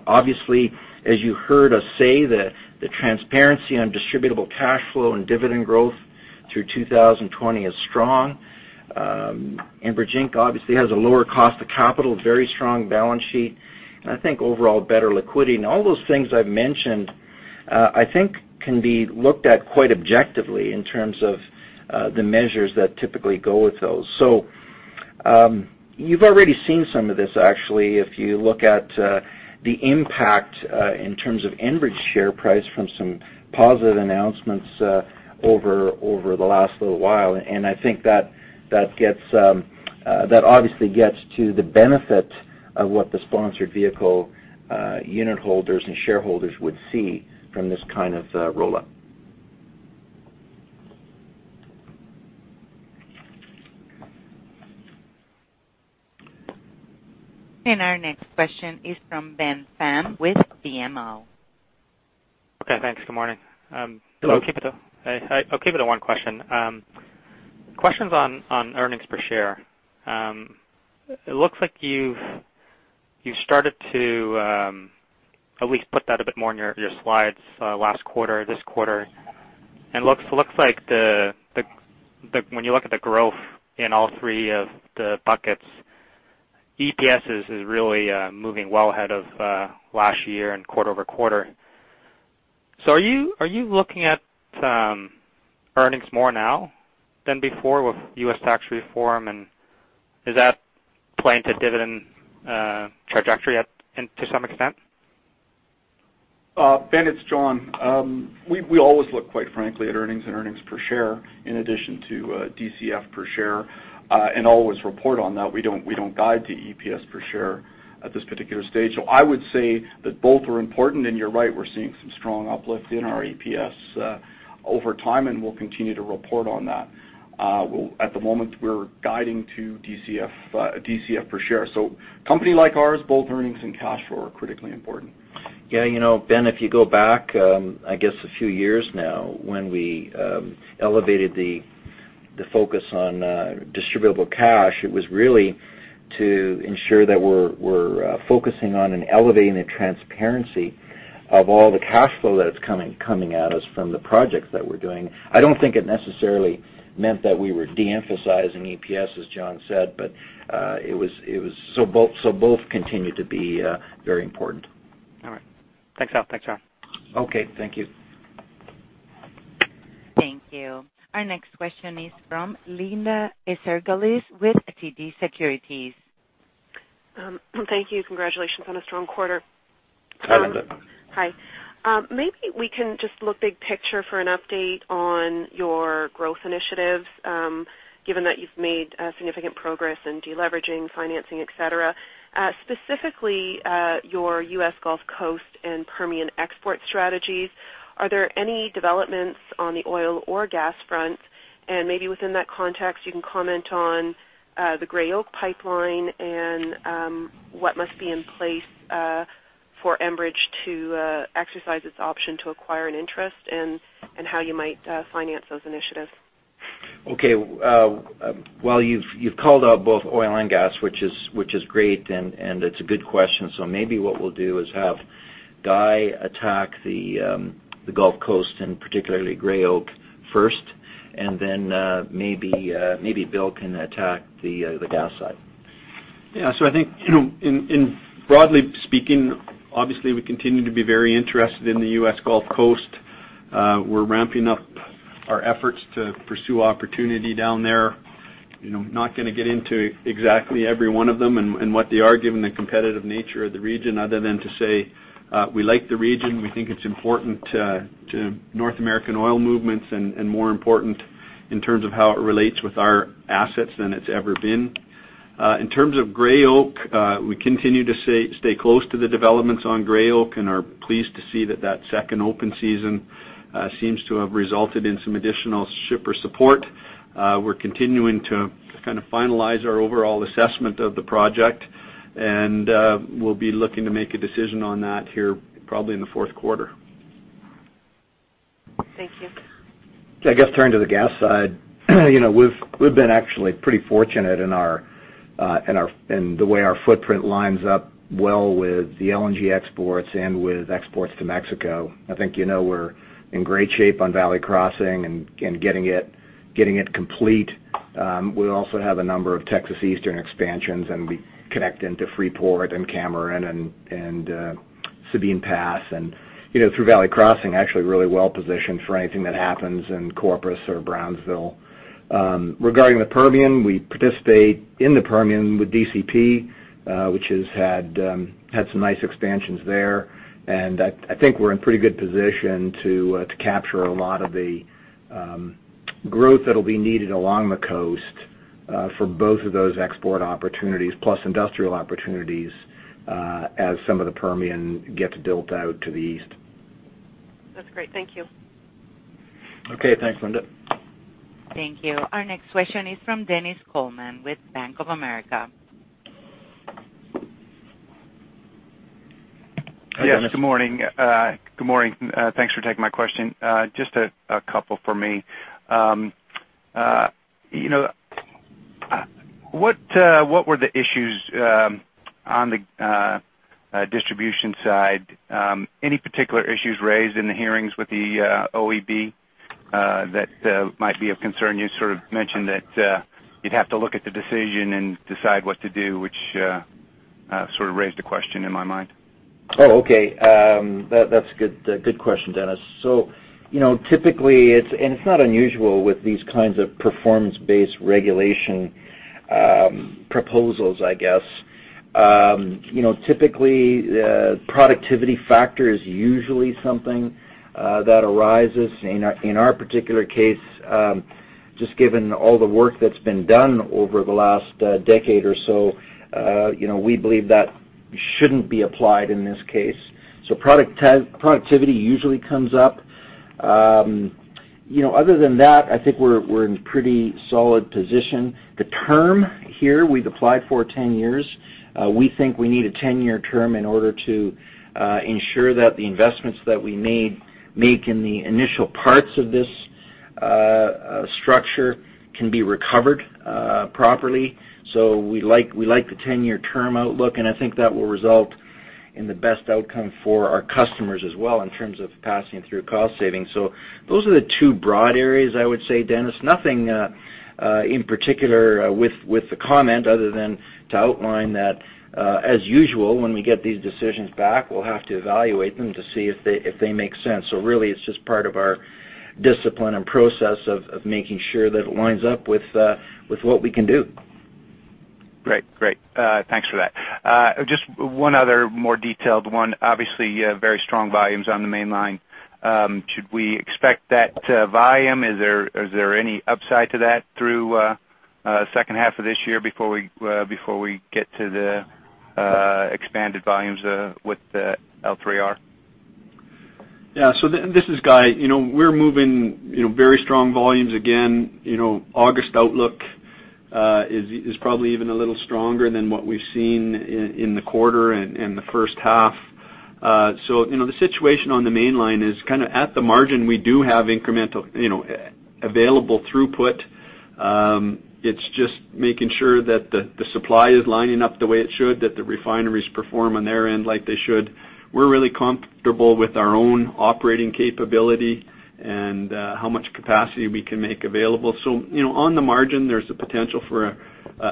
Obviously, as you heard us say, the transparency on distributable cash flow and dividend growth through 2020 is strong. Enbridge Inc obviously has a lower cost of capital, very strong balance sheet, and I think overall better liquidity. All those things I've mentioned, I think can be looked at quite objectively in terms of the measures that typically go with those. You've already seen some of this actually, if you look at the impact in terms of Enbridge share price from some positive announcements over the last little while. I think that obviously gets to the benefit of what the sponsored vehicle unitholders and shareholders would see from this kind of roll-up. Our next question is from Ben Pham with BMO. Okay, thanks. Good morning. Hello. I'll keep it to one question. Question's on earnings per share. It looks like you've started to at least put that a bit more in your slides last quarter, this quarter, and looks like when you look at the growth in all three of the buckets, EPS is really moving well ahead of last year and quarter-over-quarter. Are you looking at earnings more now than before with U.S. tax reform, and is that playing to dividend trajectory to some extent? Ben, it's John. We always look, quite frankly, at earnings and earnings per share in addition to DCF per share, and always report on that. We don't guide to EPS per share at this particular stage. I would say that both are important, and you're right, we're seeing some strong uplift in our EPS over time, and we'll continue to report on that. At the moment, we're guiding to DCF per share. Company like ours, both earnings and cash flow are critically important. Yeah. Ben, if you go back, I guess a few years now, when we elevated the focus on distributable cash, it was really to ensure that we're focusing on and elevating the transparency of all the cash flow that's coming at us from the projects that we're doing. I don't think it necessarily meant that we were de-emphasizing EPS, as John said. Both continue to be very important. All right. Thanks, Al. Thanks, John. Okay. Thank you. Thank you. Our next question is from Linda Ezergailis with TD Securities. Thank you. Congratulations on a strong quarter. Hi, Linda. Hi. Maybe we can just look big picture for an update on your growth initiatives, given that you've made significant progress in deleveraging, financing, et cetera, specifically, your U.S. Gulf Coast and Permian export strategies. Are there any developments on the oil or gas fronts? Maybe within that context, you can comment on the Gray Oak Pipeline and what must be in place for Enbridge to exercise its option to acquire an interest and how you might finance those initiatives. Well, you've called out both oil and gas, which is great, and it's a good question. Maybe what we'll do is have Guy attack the Gulf Coast and particularly Gray Oak first, and then maybe Bill can attack the gas side. Yeah. I think, broadly speaking, obviously, we continue to be very interested in the U.S. Gulf Coast. We're ramping up our efforts to pursue opportunity down there. Not going to get into exactly every one of them and what they are given the competitive nature of the region other than to say we like the region. We think it's important to North American oil movements and more important in terms of how it relates with our assets than it's ever been. In terms of Gray Oak, we continue to stay close to the developments on Gray Oak and are pleased to see that second open season seems to have resulted in some additional shipper support. We're continuing to finalize our overall assessment of the project, and we'll be looking to make a decision on that here probably in the fourth quarter. Thank you. I guess turn to the gas side. We've been actually pretty fortunate in the way our footprint lines up well with the LNG exports and with exports to Mexico. I think you know we're in great shape on Valley Crossing and getting it complete. We also have a number of Texas Eastern expansions, and we connect into Freeport and Cameron and Sabine Pass. Through Valley Crossing, actually really well-positioned for anything that happens in Corpus or Brownsville. Regarding the Permian, we participate in the Permian with DCP, which has had some nice expansions there, and I think we're in pretty good position to capture a lot of the growth that'll be needed along the coast for both of those export opportunities plus industrial opportunities as some of the Permian gets built out to the east. That's great. Thank you. Okay. Thanks, Linda. Thank you. Our next question is from Dennis Coleman with Bank of America. Hi, Dennis. Yes, good morning. Thanks for taking my question. Just a couple for me. What were the issues on the distribution side? Any particular issues raised in the hearings with the OEB that might be of concern? You sort of mentioned that you'd have to look at the decision and decide what to do, which sort of raised a question in my mind. Oh, okay. That's a good question, Dennis. Typically, it's not unusual with these kinds of performance-based regulation proposals, I guess. Typically, productivity factor is usually something that arises. In our particular case, just given all the work that's been done over the last decade or so, we believe that shouldn't be applied in this case. Productivity usually comes up. Other than that, I think we're in pretty solid position. The term here, we've applied for 10 years. We think we need a 10-year term in order to ensure that the investments that we make in the initial parts of this structure can be recovered properly. We like the 10-year term outlook. I think that will result in the best outcome for our customers as well, in terms of passing through cost savings. Those are the two broad areas, I would say, Dennis. Nothing in particular with the comment other than to outline that, as usual, when we get these decisions back, we'll have to evaluate them to see if they make sense. Really, it's just part of our discipline and process of making sure that it lines up with what we can do. Great. Thanks for that. Just one other more detailed one. Obviously, very strong volumes on the Mainline. Should we expect that volume? Is there any upside to that through second half of this year before we get to the expanded volumes with the L3R? This is Guy. We're moving very strong volumes again. August outlook is probably even a little stronger than what we've seen in the quarter and the first half. The situation on the Mainline is at the margin, we do have incremental available throughput. It's just making sure that the supply is lining up the way it should, that the refineries perform on their end like they should. We're really comfortable with our own operating capability and how much capacity we can make available. On the margin, there's the potential for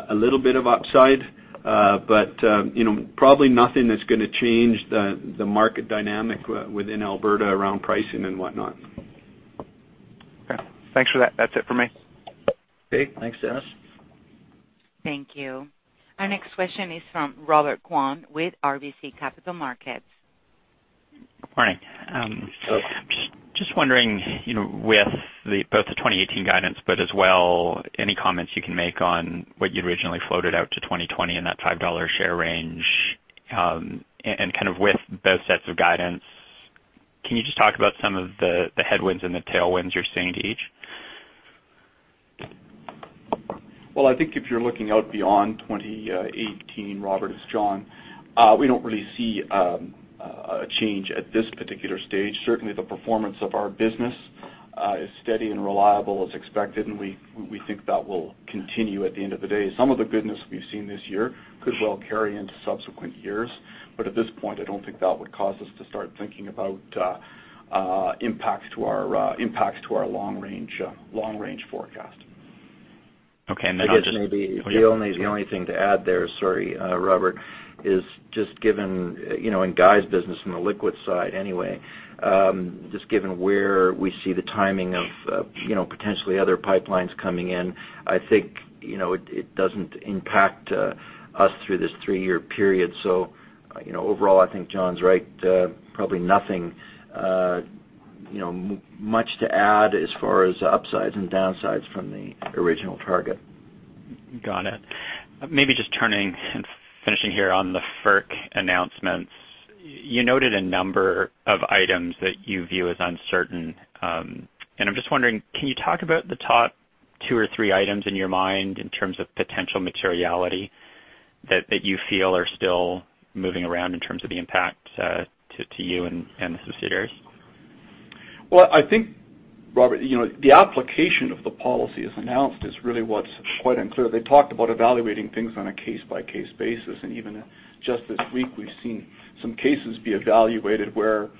a little bit of upside. Probably nothing that's going to change the market dynamic within Alberta around pricing and whatnot. Thanks for that. That's it for me. Thanks, Dennis. Thank you. Our next question is from Robert Kwan with RBC Capital Markets. Good morning. Hello. Just wondering, with both the 2018 guidance, as well, any comments you can make on what you'd originally floated out to 2020 and that 5 dollar share range, and with both sets of guidance, can you just talk about some of the headwinds and the tailwinds you're seeing to each? I think if you're looking out beyond 2018, Robert, it's John. We don't really see a change at this particular stage. Certainly, the performance of our business is steady and reliable as expected, and we think that will continue at the end of the day. Some of the goodness we've seen this year could well carry into subsequent years. At this point, I don't think that would cause us to start thinking about impacts to our long-range forecast. Okay. I'll just- Maybe the only thing to add there, sorry, Robert, is just given in Guy's business on the Liquids Pipelines side anyway, just given where we see the timing of potentially other pipelines coming in, I think, it doesn't impact us through this three-year period. Overall, I think John's right. Probably nothing much to add as far as upsides and downsides from the original target. Got it. Maybe just turning and finishing here on the FERC announcements. You noted a number of items that you view as uncertain. I'm just wondering, can you talk about the top two or three items in your mind in terms of potential materiality that you feel are still moving around in terms of the impact to you and the subsidiaries? Well, I think, Robert, the application of the policy as announced is really what's quite unclear. They talked about evaluating things on a case-by-case basis, and even just this week, we've seen some cases be evaluated where,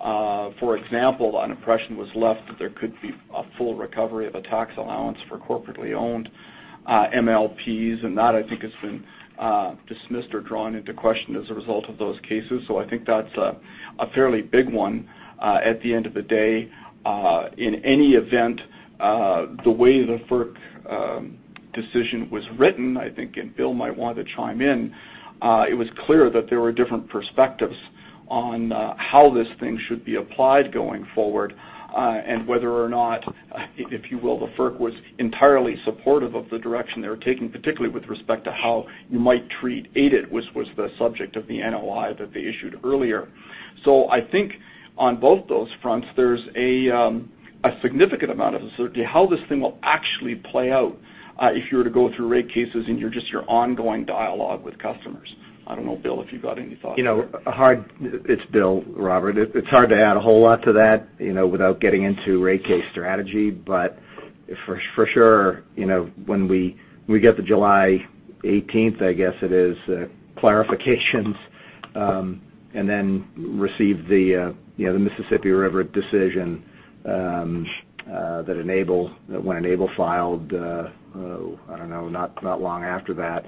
for example, an impression was left that there could be a full recovery of a tax allowance for corporately owned MLPs, and that, I think, has been dismissed or drawn into question as a result of those cases. I think that's a fairly big one. At the end of the day, in any event, the way the FERC decision was written, I think, and Bill might want to chime in, it was clear that there were different perspectives on how this thing should be applied going forward, and whether or not, if you will, the FERC was entirely supportive of the direction they were taking, particularly with respect to how you might treat ADIT, was the subject of the NOI that they issued earlier. I think on both those fronts, there's a significant amount of uncertainty how this thing will actually play out if you were to go through rate cases and just your ongoing dialogue with customers. I don't know, Bill, if you've got any thoughts. It's Bill, Robert. It's hard to add a whole lot to that without getting into rate case strategy. For sure, when we get to July 18th, I guess it is, clarifications, and then receive the Mississippi River decision when Enable filed, I don't know, not long after that.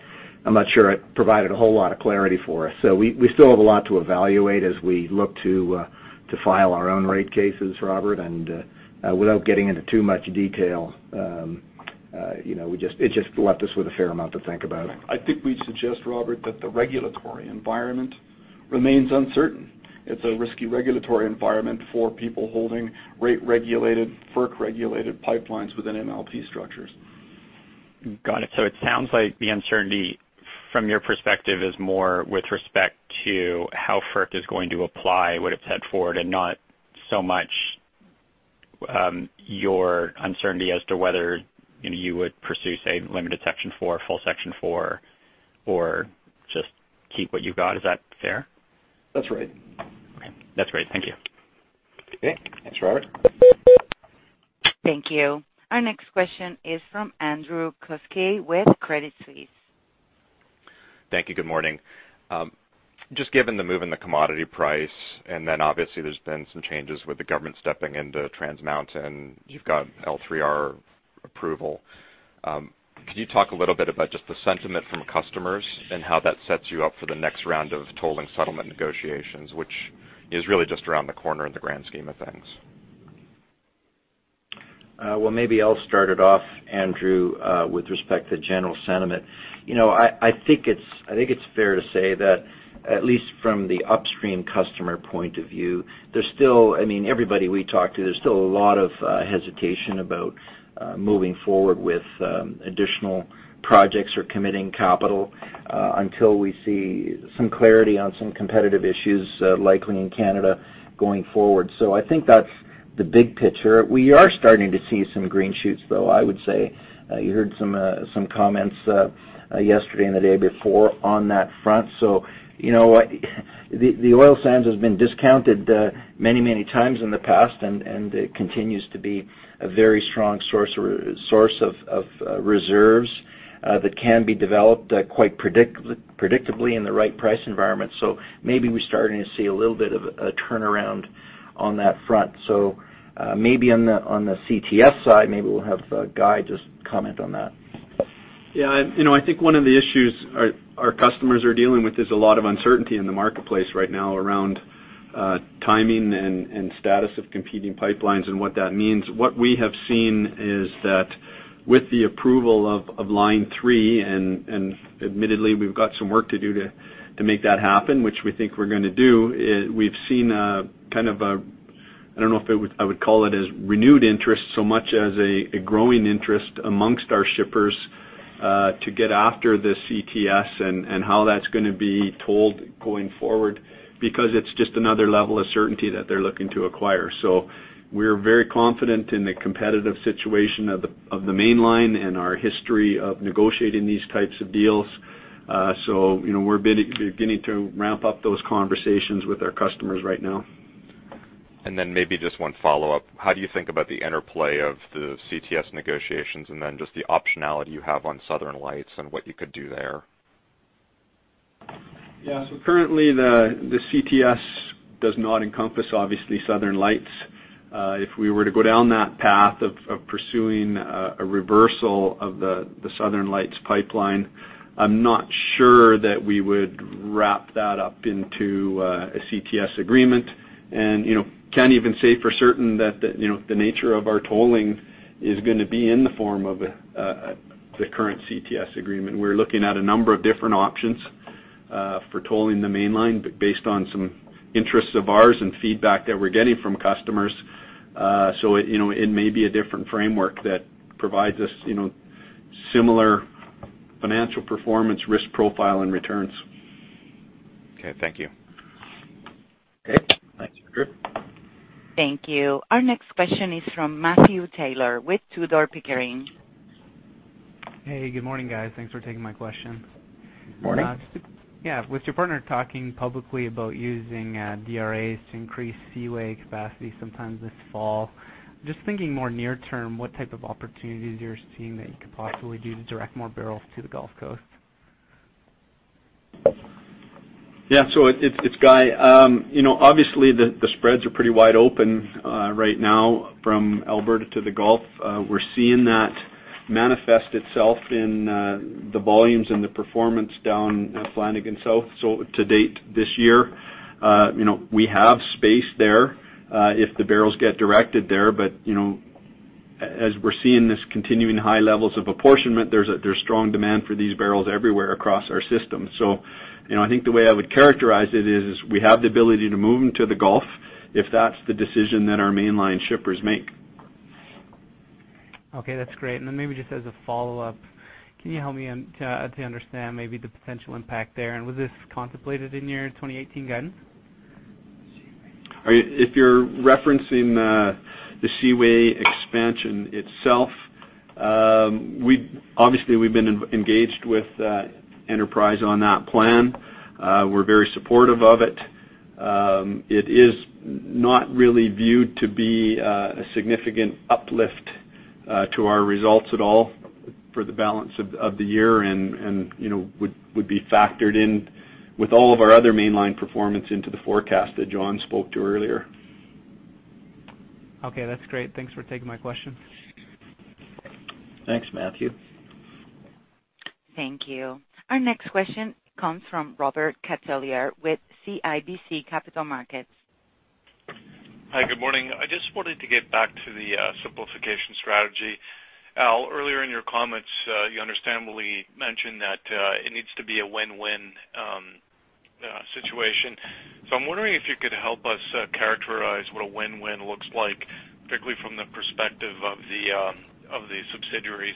I'm not sure it provided a whole lot of clarity for us. We still have a lot to evaluate as we look to file our own rate cases, Robert, and without getting into too much detail. It just left us with a fair amount to think about. I think we'd suggest, Robert, that the regulatory environment remains uncertain. It's a risky regulatory environment for people holding rate-regulated, FERC-regulated pipelines within MLP structures. Got it. It sounds like the uncertainty, from your perspective, is more with respect to how FERC is going to apply what it's set forward and not so much your uncertainty as to whether you would pursue, say, limited Section 4, full Section 4, or just keep what you've got. Is that fair? That's right. Okay. That's great. Thank you. Okay. Thanks, Robert. Thank you. Our next question is from Andrew Kuske with Credit Suisse. Thank you. Good morning. Just given the move in the commodity price, and then obviously, there's been some changes with the government stepping into Trans Mountain. You've got L3R approval. Can you talk a little bit about just the sentiment from customers and how that sets you up for the next round of toll and settlement negotiations, which is really just around the corner in the grand scheme of things? Well, maybe I'll start it off, Andrew, with respect to general sentiment. I think it's fair to say that at least from the upstream customer point of view, everybody we talk to, there's still a lot of hesitation about moving forward with additional projects or committing capital until we see some clarity on some competitive issues, likely in Canada going forward. I think that's the big picture. We are starting to see some green shoots, though, I would say. You heard some comments yesterday and the day before on that front. The oil sands has been discounted many times in the past, and it continues to be a very strong source of reserves that can be developed quite predictably in the right price environment. Maybe we're starting to see a little bit of a turnaround on that front. Maybe on the CTS side, maybe we'll have Guy just comment on that. Yeah. I think one of the issues our customers are dealing with is a lot of uncertainty in the marketplace right now around timing and status of competing pipelines and what that means. What we have seen is that with the approval of Line 3, and admittedly, we've got some work to do to make that happen, which we think we're going to do, we've seen a, I don't know if I would call it as renewed interest so much as a growing interest amongst our shippers to get after the CTS and how that's going to be tolled going forward because it's just another level of certainty that they're looking to acquire. We're very confident in the competitive situation of the Mainline and our history of negotiating these types of deals. We're beginning to ramp up those conversations with our customers right now. Maybe just one follow-up. How do you think about the interplay of the CTS negotiations and then just the optionality you have on Southern Lights and what you could do there? Currently, the CTS does not encompass, obviously, Southern Lights. If we were to go down that path of pursuing a reversal of the Southern Lights pipeline, I'm not sure that we would wrap that up into a CTS agreement and can't even say for certain that the nature of our tolling is going to be in the form of the current CTS agreement. We're looking at a number of different options for tolling the Mainline based on some interests of ours and feedback that we're getting from customers. It may be a different framework that provides us similar financial performance, risk profile, and returns. Okay. Thank you. Okay. Thanks, Andrew. Thank you. Our next question is from Matthew Taylor with Tudor, Pickering. Hey, good morning, guys. Thanks for taking my question. Morning. With your partner talking publicly about using DRAs to increase Seaway capacity sometime this fall, just thinking more near term, what type of opportunities you're seeing that you could possibly do to direct more barrels to the Gulf Coast? It's Guy. Obviously, the spreads are pretty wide open right now from Alberta to the Gulf. We're seeing that manifest itself in the volumes and the performance down Flanagan South. To date this year, we have space there if the barrels get directed there. As we're seeing this continuing high levels of apportionment, there's strong demand for these barrels everywhere across our system. I think the way I would characterize it is we have the ability to move them to the Gulf if that's the decision that our Mainline shippers make. Okay, that's great. Maybe just as a follow-up, can you help me to understand maybe the potential impact there? Was this contemplated in your 2018 guidance? If you're referencing the Seaway expansion itself, obviously we've been engaged with Enterprise on that plan. We're very supportive of it. It is not really viewed to be a significant uplift to our results at all for the balance of the year and would be factored in with all of our other Mainline performance into the forecast that John spoke to earlier. Okay, that's great. Thanks for taking my question. Thanks, Matthew. Thank you. Our next question comes from Robert Catellier with CIBC Capital Markets. Hi, good morning. I just wanted to get back to the simplification strategy. Al, earlier in your comments, you understandably mentioned that it needs to be a win-win situation. I'm wondering if you could help us characterize what a win-win looks like, particularly from the perspective of the subsidiaries.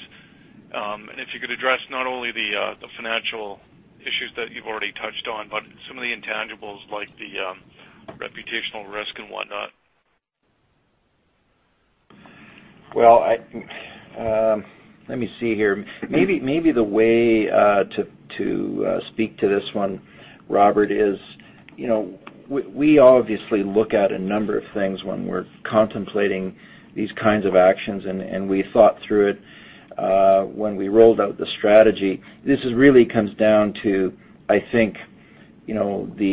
If you could address not only the financial issues that you've already touched on, but some of the intangibles like the reputational risk and whatnot. Well, let me see here. Maybe the way to speak to this one, Robert, is we obviously look at a number of things when we're contemplating these kinds of actions, and we thought through it when we rolled out the strategy. This really comes down to, I think, the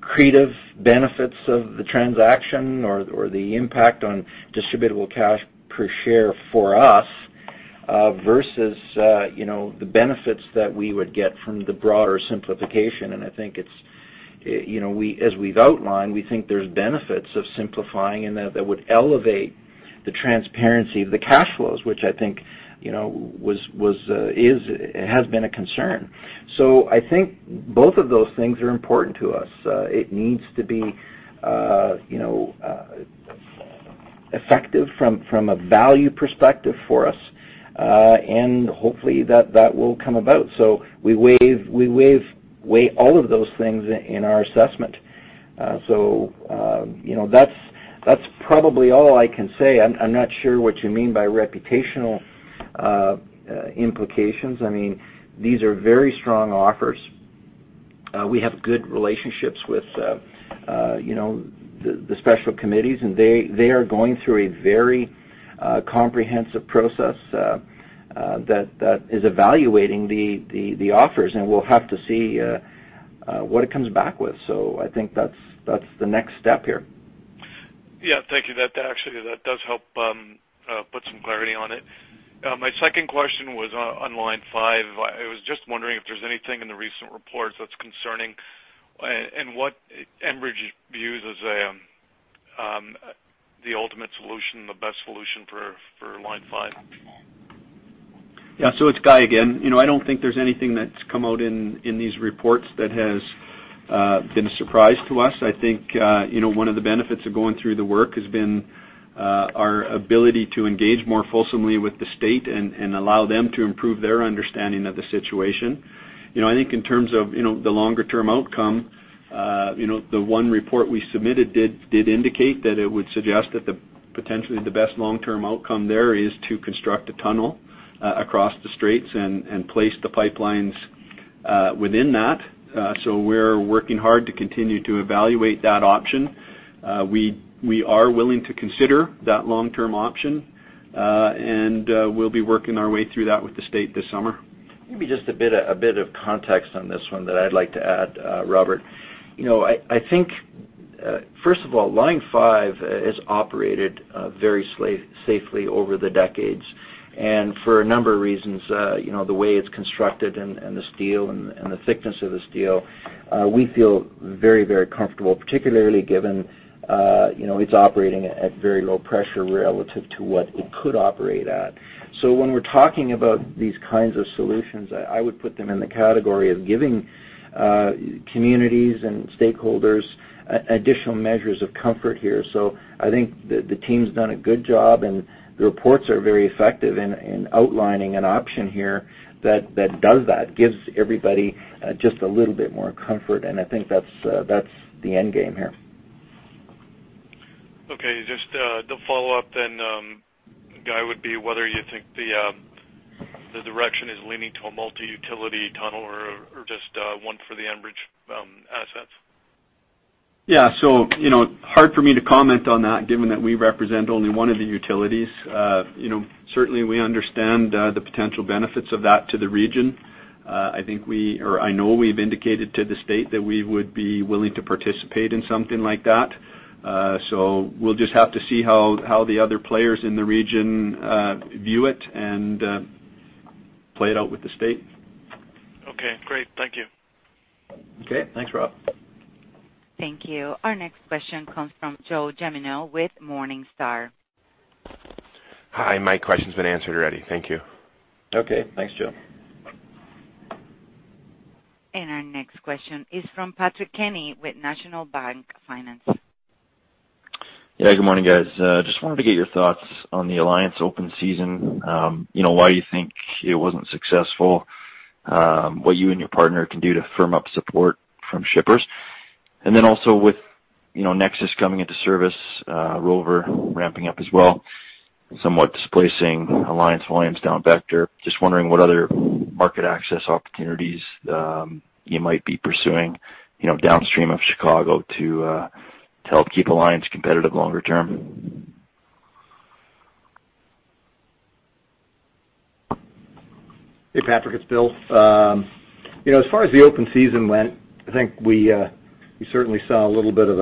accretive benefits of the transaction or the impact on distributable cash per share for us, versus the benefits that we would get from the broader simplification. I think as we've outlined, we think there's benefits of simplifying and that would elevate the transparency of the cash flows, which I think has been a concern. I think both of those things are important to us. It needs to be effective from a value perspective for us. Hopefully, that will come about. We weigh all of those things in our assessment. That's probably all I can say. I'm not sure what you mean by reputational implications. These are very strong offers. We have good relationships with the special committees, and they are going through a very comprehensive process that is evaluating the offers and we'll have to see what it comes back with. I think that's the next step here. Yeah. Thank you. That actually does help put some clarity on it. My second question was on Line 5. I was just wondering if there's anything in the recent reports that's concerning, and what Enbridge views as the ultimate solution, the best solution for Line 5. Yeah. It's Guy again. I don't think there's anything that's come out in these reports that has been a surprise to us. I think one of the benefits of going through the work has been our ability to engage more fulsomely with the state and allow them to improve their understanding of the situation. I think in terms of the longer-term outcome, the one report we submitted did indicate that it would suggest that potentially the best long-term outcome there is to construct a tunnel across the straits and place the pipelines within that. We're working hard to continue to evaluate that option. We are willing to consider that long-term option, and we'll be working our way through that with the state this summer. Maybe just a bit of context on this one that I'd like to add, Robert. I think, first of all, Line 5 has operated very safely over the decades. For a number of reasons, the way it's constructed and the steel and the thickness of the steel, we feel very comfortable, particularly given it's operating at very low pressure relative to what it could operate at. When we're talking about these kinds of solutions, I would put them in the category of giving communities and stakeholders additional measures of comfort here. I think the team's done a good job, and the reports are very effective in outlining an option here that does that, gives everybody just a little bit more comfort. I think that's the end game here. Okay. Just the follow-up, Guy, would be whether you think the direction is leaning to a multi-utility tunnel or just one for the Enbridge assets. Yeah. Hard for me to comment on that, given that we represent only one of the utilities. Certainly, we understand the potential benefits of that to the region. I know we've indicated to the state that we would be willing to participate in something like that. We'll just have to see how the other players in the region view it and play it out with the state. Okay, great. Thank you. Okay. Thanks, Rob. Thank you. Our next question comes from Joe Gemino with Morningstar. Hi. My question's been answered already. Thank you. Okay. Thanks, Joe. Our next question is from Patrick Kenny with National Bank Financial. Yeah. Good morning, guys. Just wanted to get your thoughts on the Alliance open season. Why you think it wasn't successful, what you and your partner can do to firm up support from shippers? With NEXUS coming into service, Rover ramping up as well, somewhat displacing Alliance volumes down Vector, just wondering what other market access opportunities you might be pursuing downstream of Chicago to help keep Alliance competitive longer term? Hey, Patrick, it's Bill. As far as the open season went, I think we certainly saw a little bit of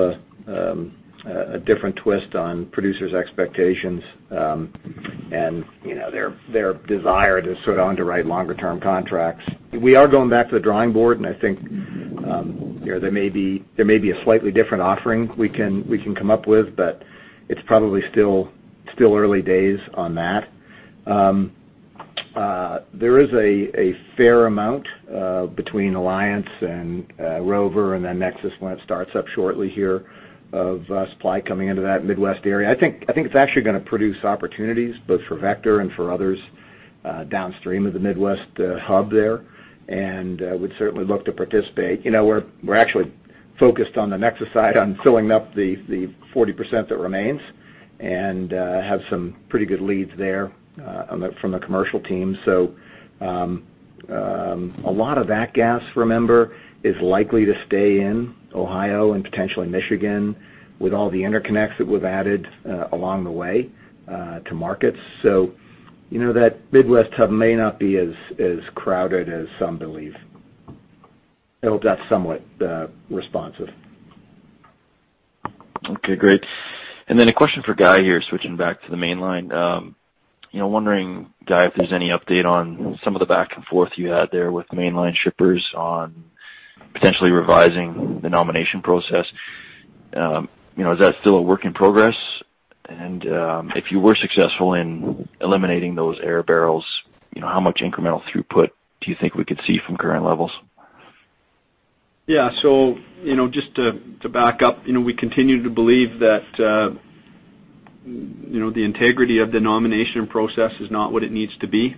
a different twist on producers' expectations, and their desire to underwrite longer-term contracts. We are going back to the drawing board, and I think there may be a slightly different offering we can come up with, but it's probably still early days on that. There is a fair amount between Alliance and Rover, and then NEXUS Gas Transmission when it starts up shortly here, of supply coming into that Midwest area. I think it's actually going to produce opportunities both for Vector Pipeline and for others downstream of the Midwest hub there, and we'd certainly look to participate. We're actually focused on the NEXUS Gas Transmission side on filling up the 40% that remains and have some pretty good leads there from the commercial team. A lot of that gas, remember, is likely to stay in Ohio and potentially Michigan with all the interconnects that we've added along the way to markets. That Midwest hub may not be as crowded as some believe. I hope that's somewhat responsive. Okay, great. A question for Guy here, switching back to the Mainline. Wondering, Guy, if there's any update on some of the back and forth you had there with Mainline shippers on potentially revising the nomination process. Is that still a work in progress? If you were successful in eliminating those air barrels, how much incremental throughput do you think we could see from current levels? Yeah. Just to back up, we continue to believe that the integrity of the nomination process is not what it needs to be.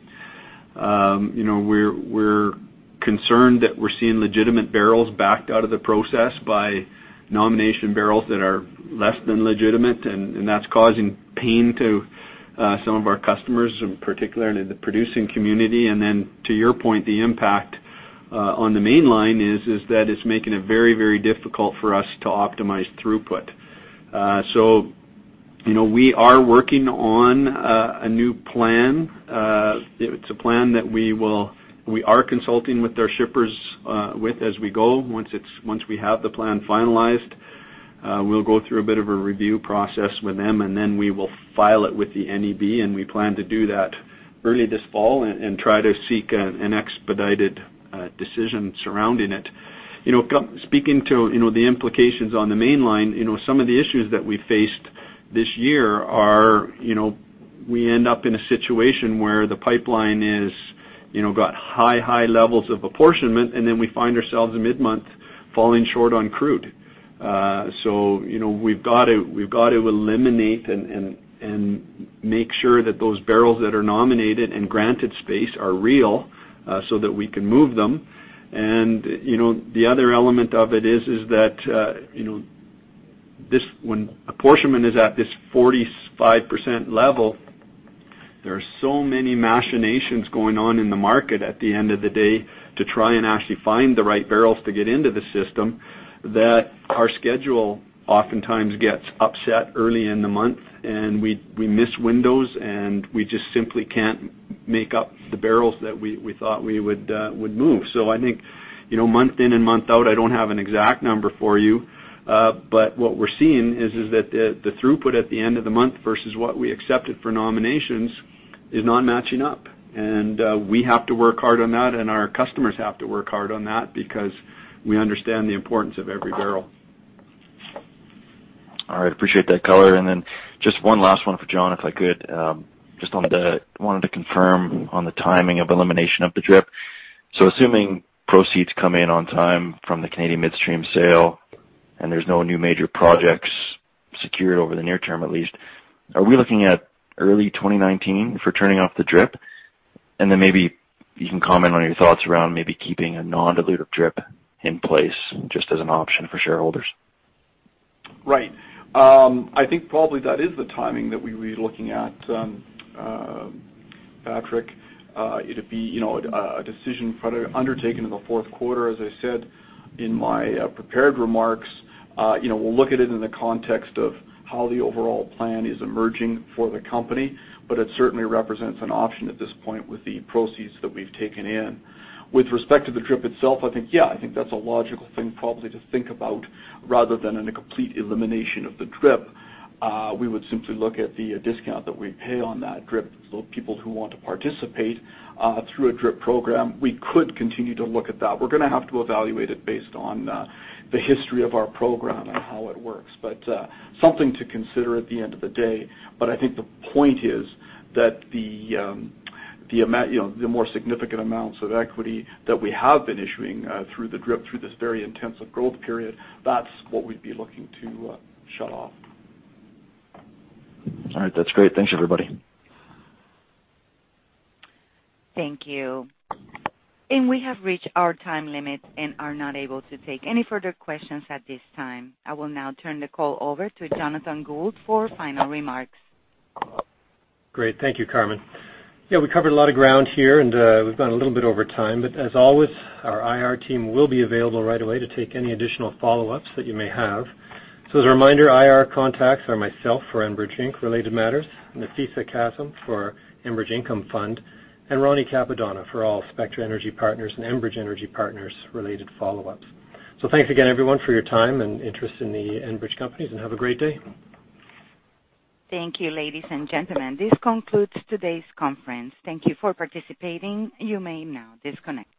We're concerned that we're seeing legitimate barrels backed out of the process by nomination barrels that are less than legitimate, and that's causing pain to some of our customers, in particular in the producing community. To your point, the impact on the Mainline is that it's making it very, very difficult for us to optimize throughput. We are working on a new plan. It's a plan that we are consulting with our shippers with as we go. Once we have the plan finalized, we'll go through a bit of a review process with them, and then we will file it with the NEB, and we plan to do that early this fall and try to seek an expedited decision surrounding it. Speaking to the implications on the Mainline, some of the issues that we faced this year are, we end up in a situation where the pipeline has got high levels of apportionment, we find ourselves mid-month falling short on crude. We've got to eliminate and make sure that those barrels that are nominated and granted space are real, that we can move them. The other element of it is that, when apportionment is at this 45% level, there are so many machinations going on in the market at the end of the day to try and actually find the right barrels to get into the system, that our schedule oftentimes gets upset early in the month, we miss windows, we just simply can't make up the barrels that we thought we would move. I think, month in and month out, I don't have an exact number for you. What we're seeing is that the throughput at the end of the month versus what we accepted for nominations is not matching up. We have to work hard on that, our customers have to work hard on that because we understand the importance of every barrel. All right. Appreciate that color. Just one last one for John, if I could. Just wanted to confirm on the timing of elimination of the DRIP. Assuming proceeds come in on time from the Canadian Midstream sale, there's no new major projects secured over the near term at least, are we looking at early 2019 for turning off the DRIP? Maybe you can comment on your thoughts around maybe keeping a non-dilutive DRIP in place just as an option for shareholders. Right. I think probably that is the timing that we'll be looking at, Patrick. It'd be a decision undertaken in the fourth quarter, as I said in my prepared remarks. We'll look at it in the context of how the overall plan is emerging for the company, it certainly represents an option at this point with the proceeds that we've taken in. With respect to the DRIP itself, I think, yeah, I think that's a logical thing probably to think about rather than a complete elimination of the DRIP. We would simply look at the discount that we pay on that DRIP for people who want to participate through a DRIP program. We could continue to look at that. We're going to have to evaluate it based on the history of our program and how it works. Something to consider at the end of the day. I think the point is that the more significant amounts of equity that we have been issuing through the DRIP through this very intensive growth period, that's what we'd be looking to shut off. All right. That's great. Thanks, everybody. Thank you. We have reached our time limit and are not able to take any further questions at this time. I will now turn the call over to Jonathan Gould for final remarks. Great. Thank you, Carmen. Yeah, we covered a lot of ground here, and we've gone a little bit over time. As always, our IR team will be available right away to take any additional follow-ups that you may have. As a reminder, IR contacts are myself for Enbridge Inc. related matters, Nafeesa Kassam for Enbridge Income Fund, and Ronnie Capadona for all Spectra Energy Partners and Enbridge Energy Partners related follow-ups. Thanks again, everyone, for your time and interest in the Enbridge companies, and have a great day. Thank you, ladies and gentlemen. This concludes today's conference. Thank you for participating. You may now disconnect.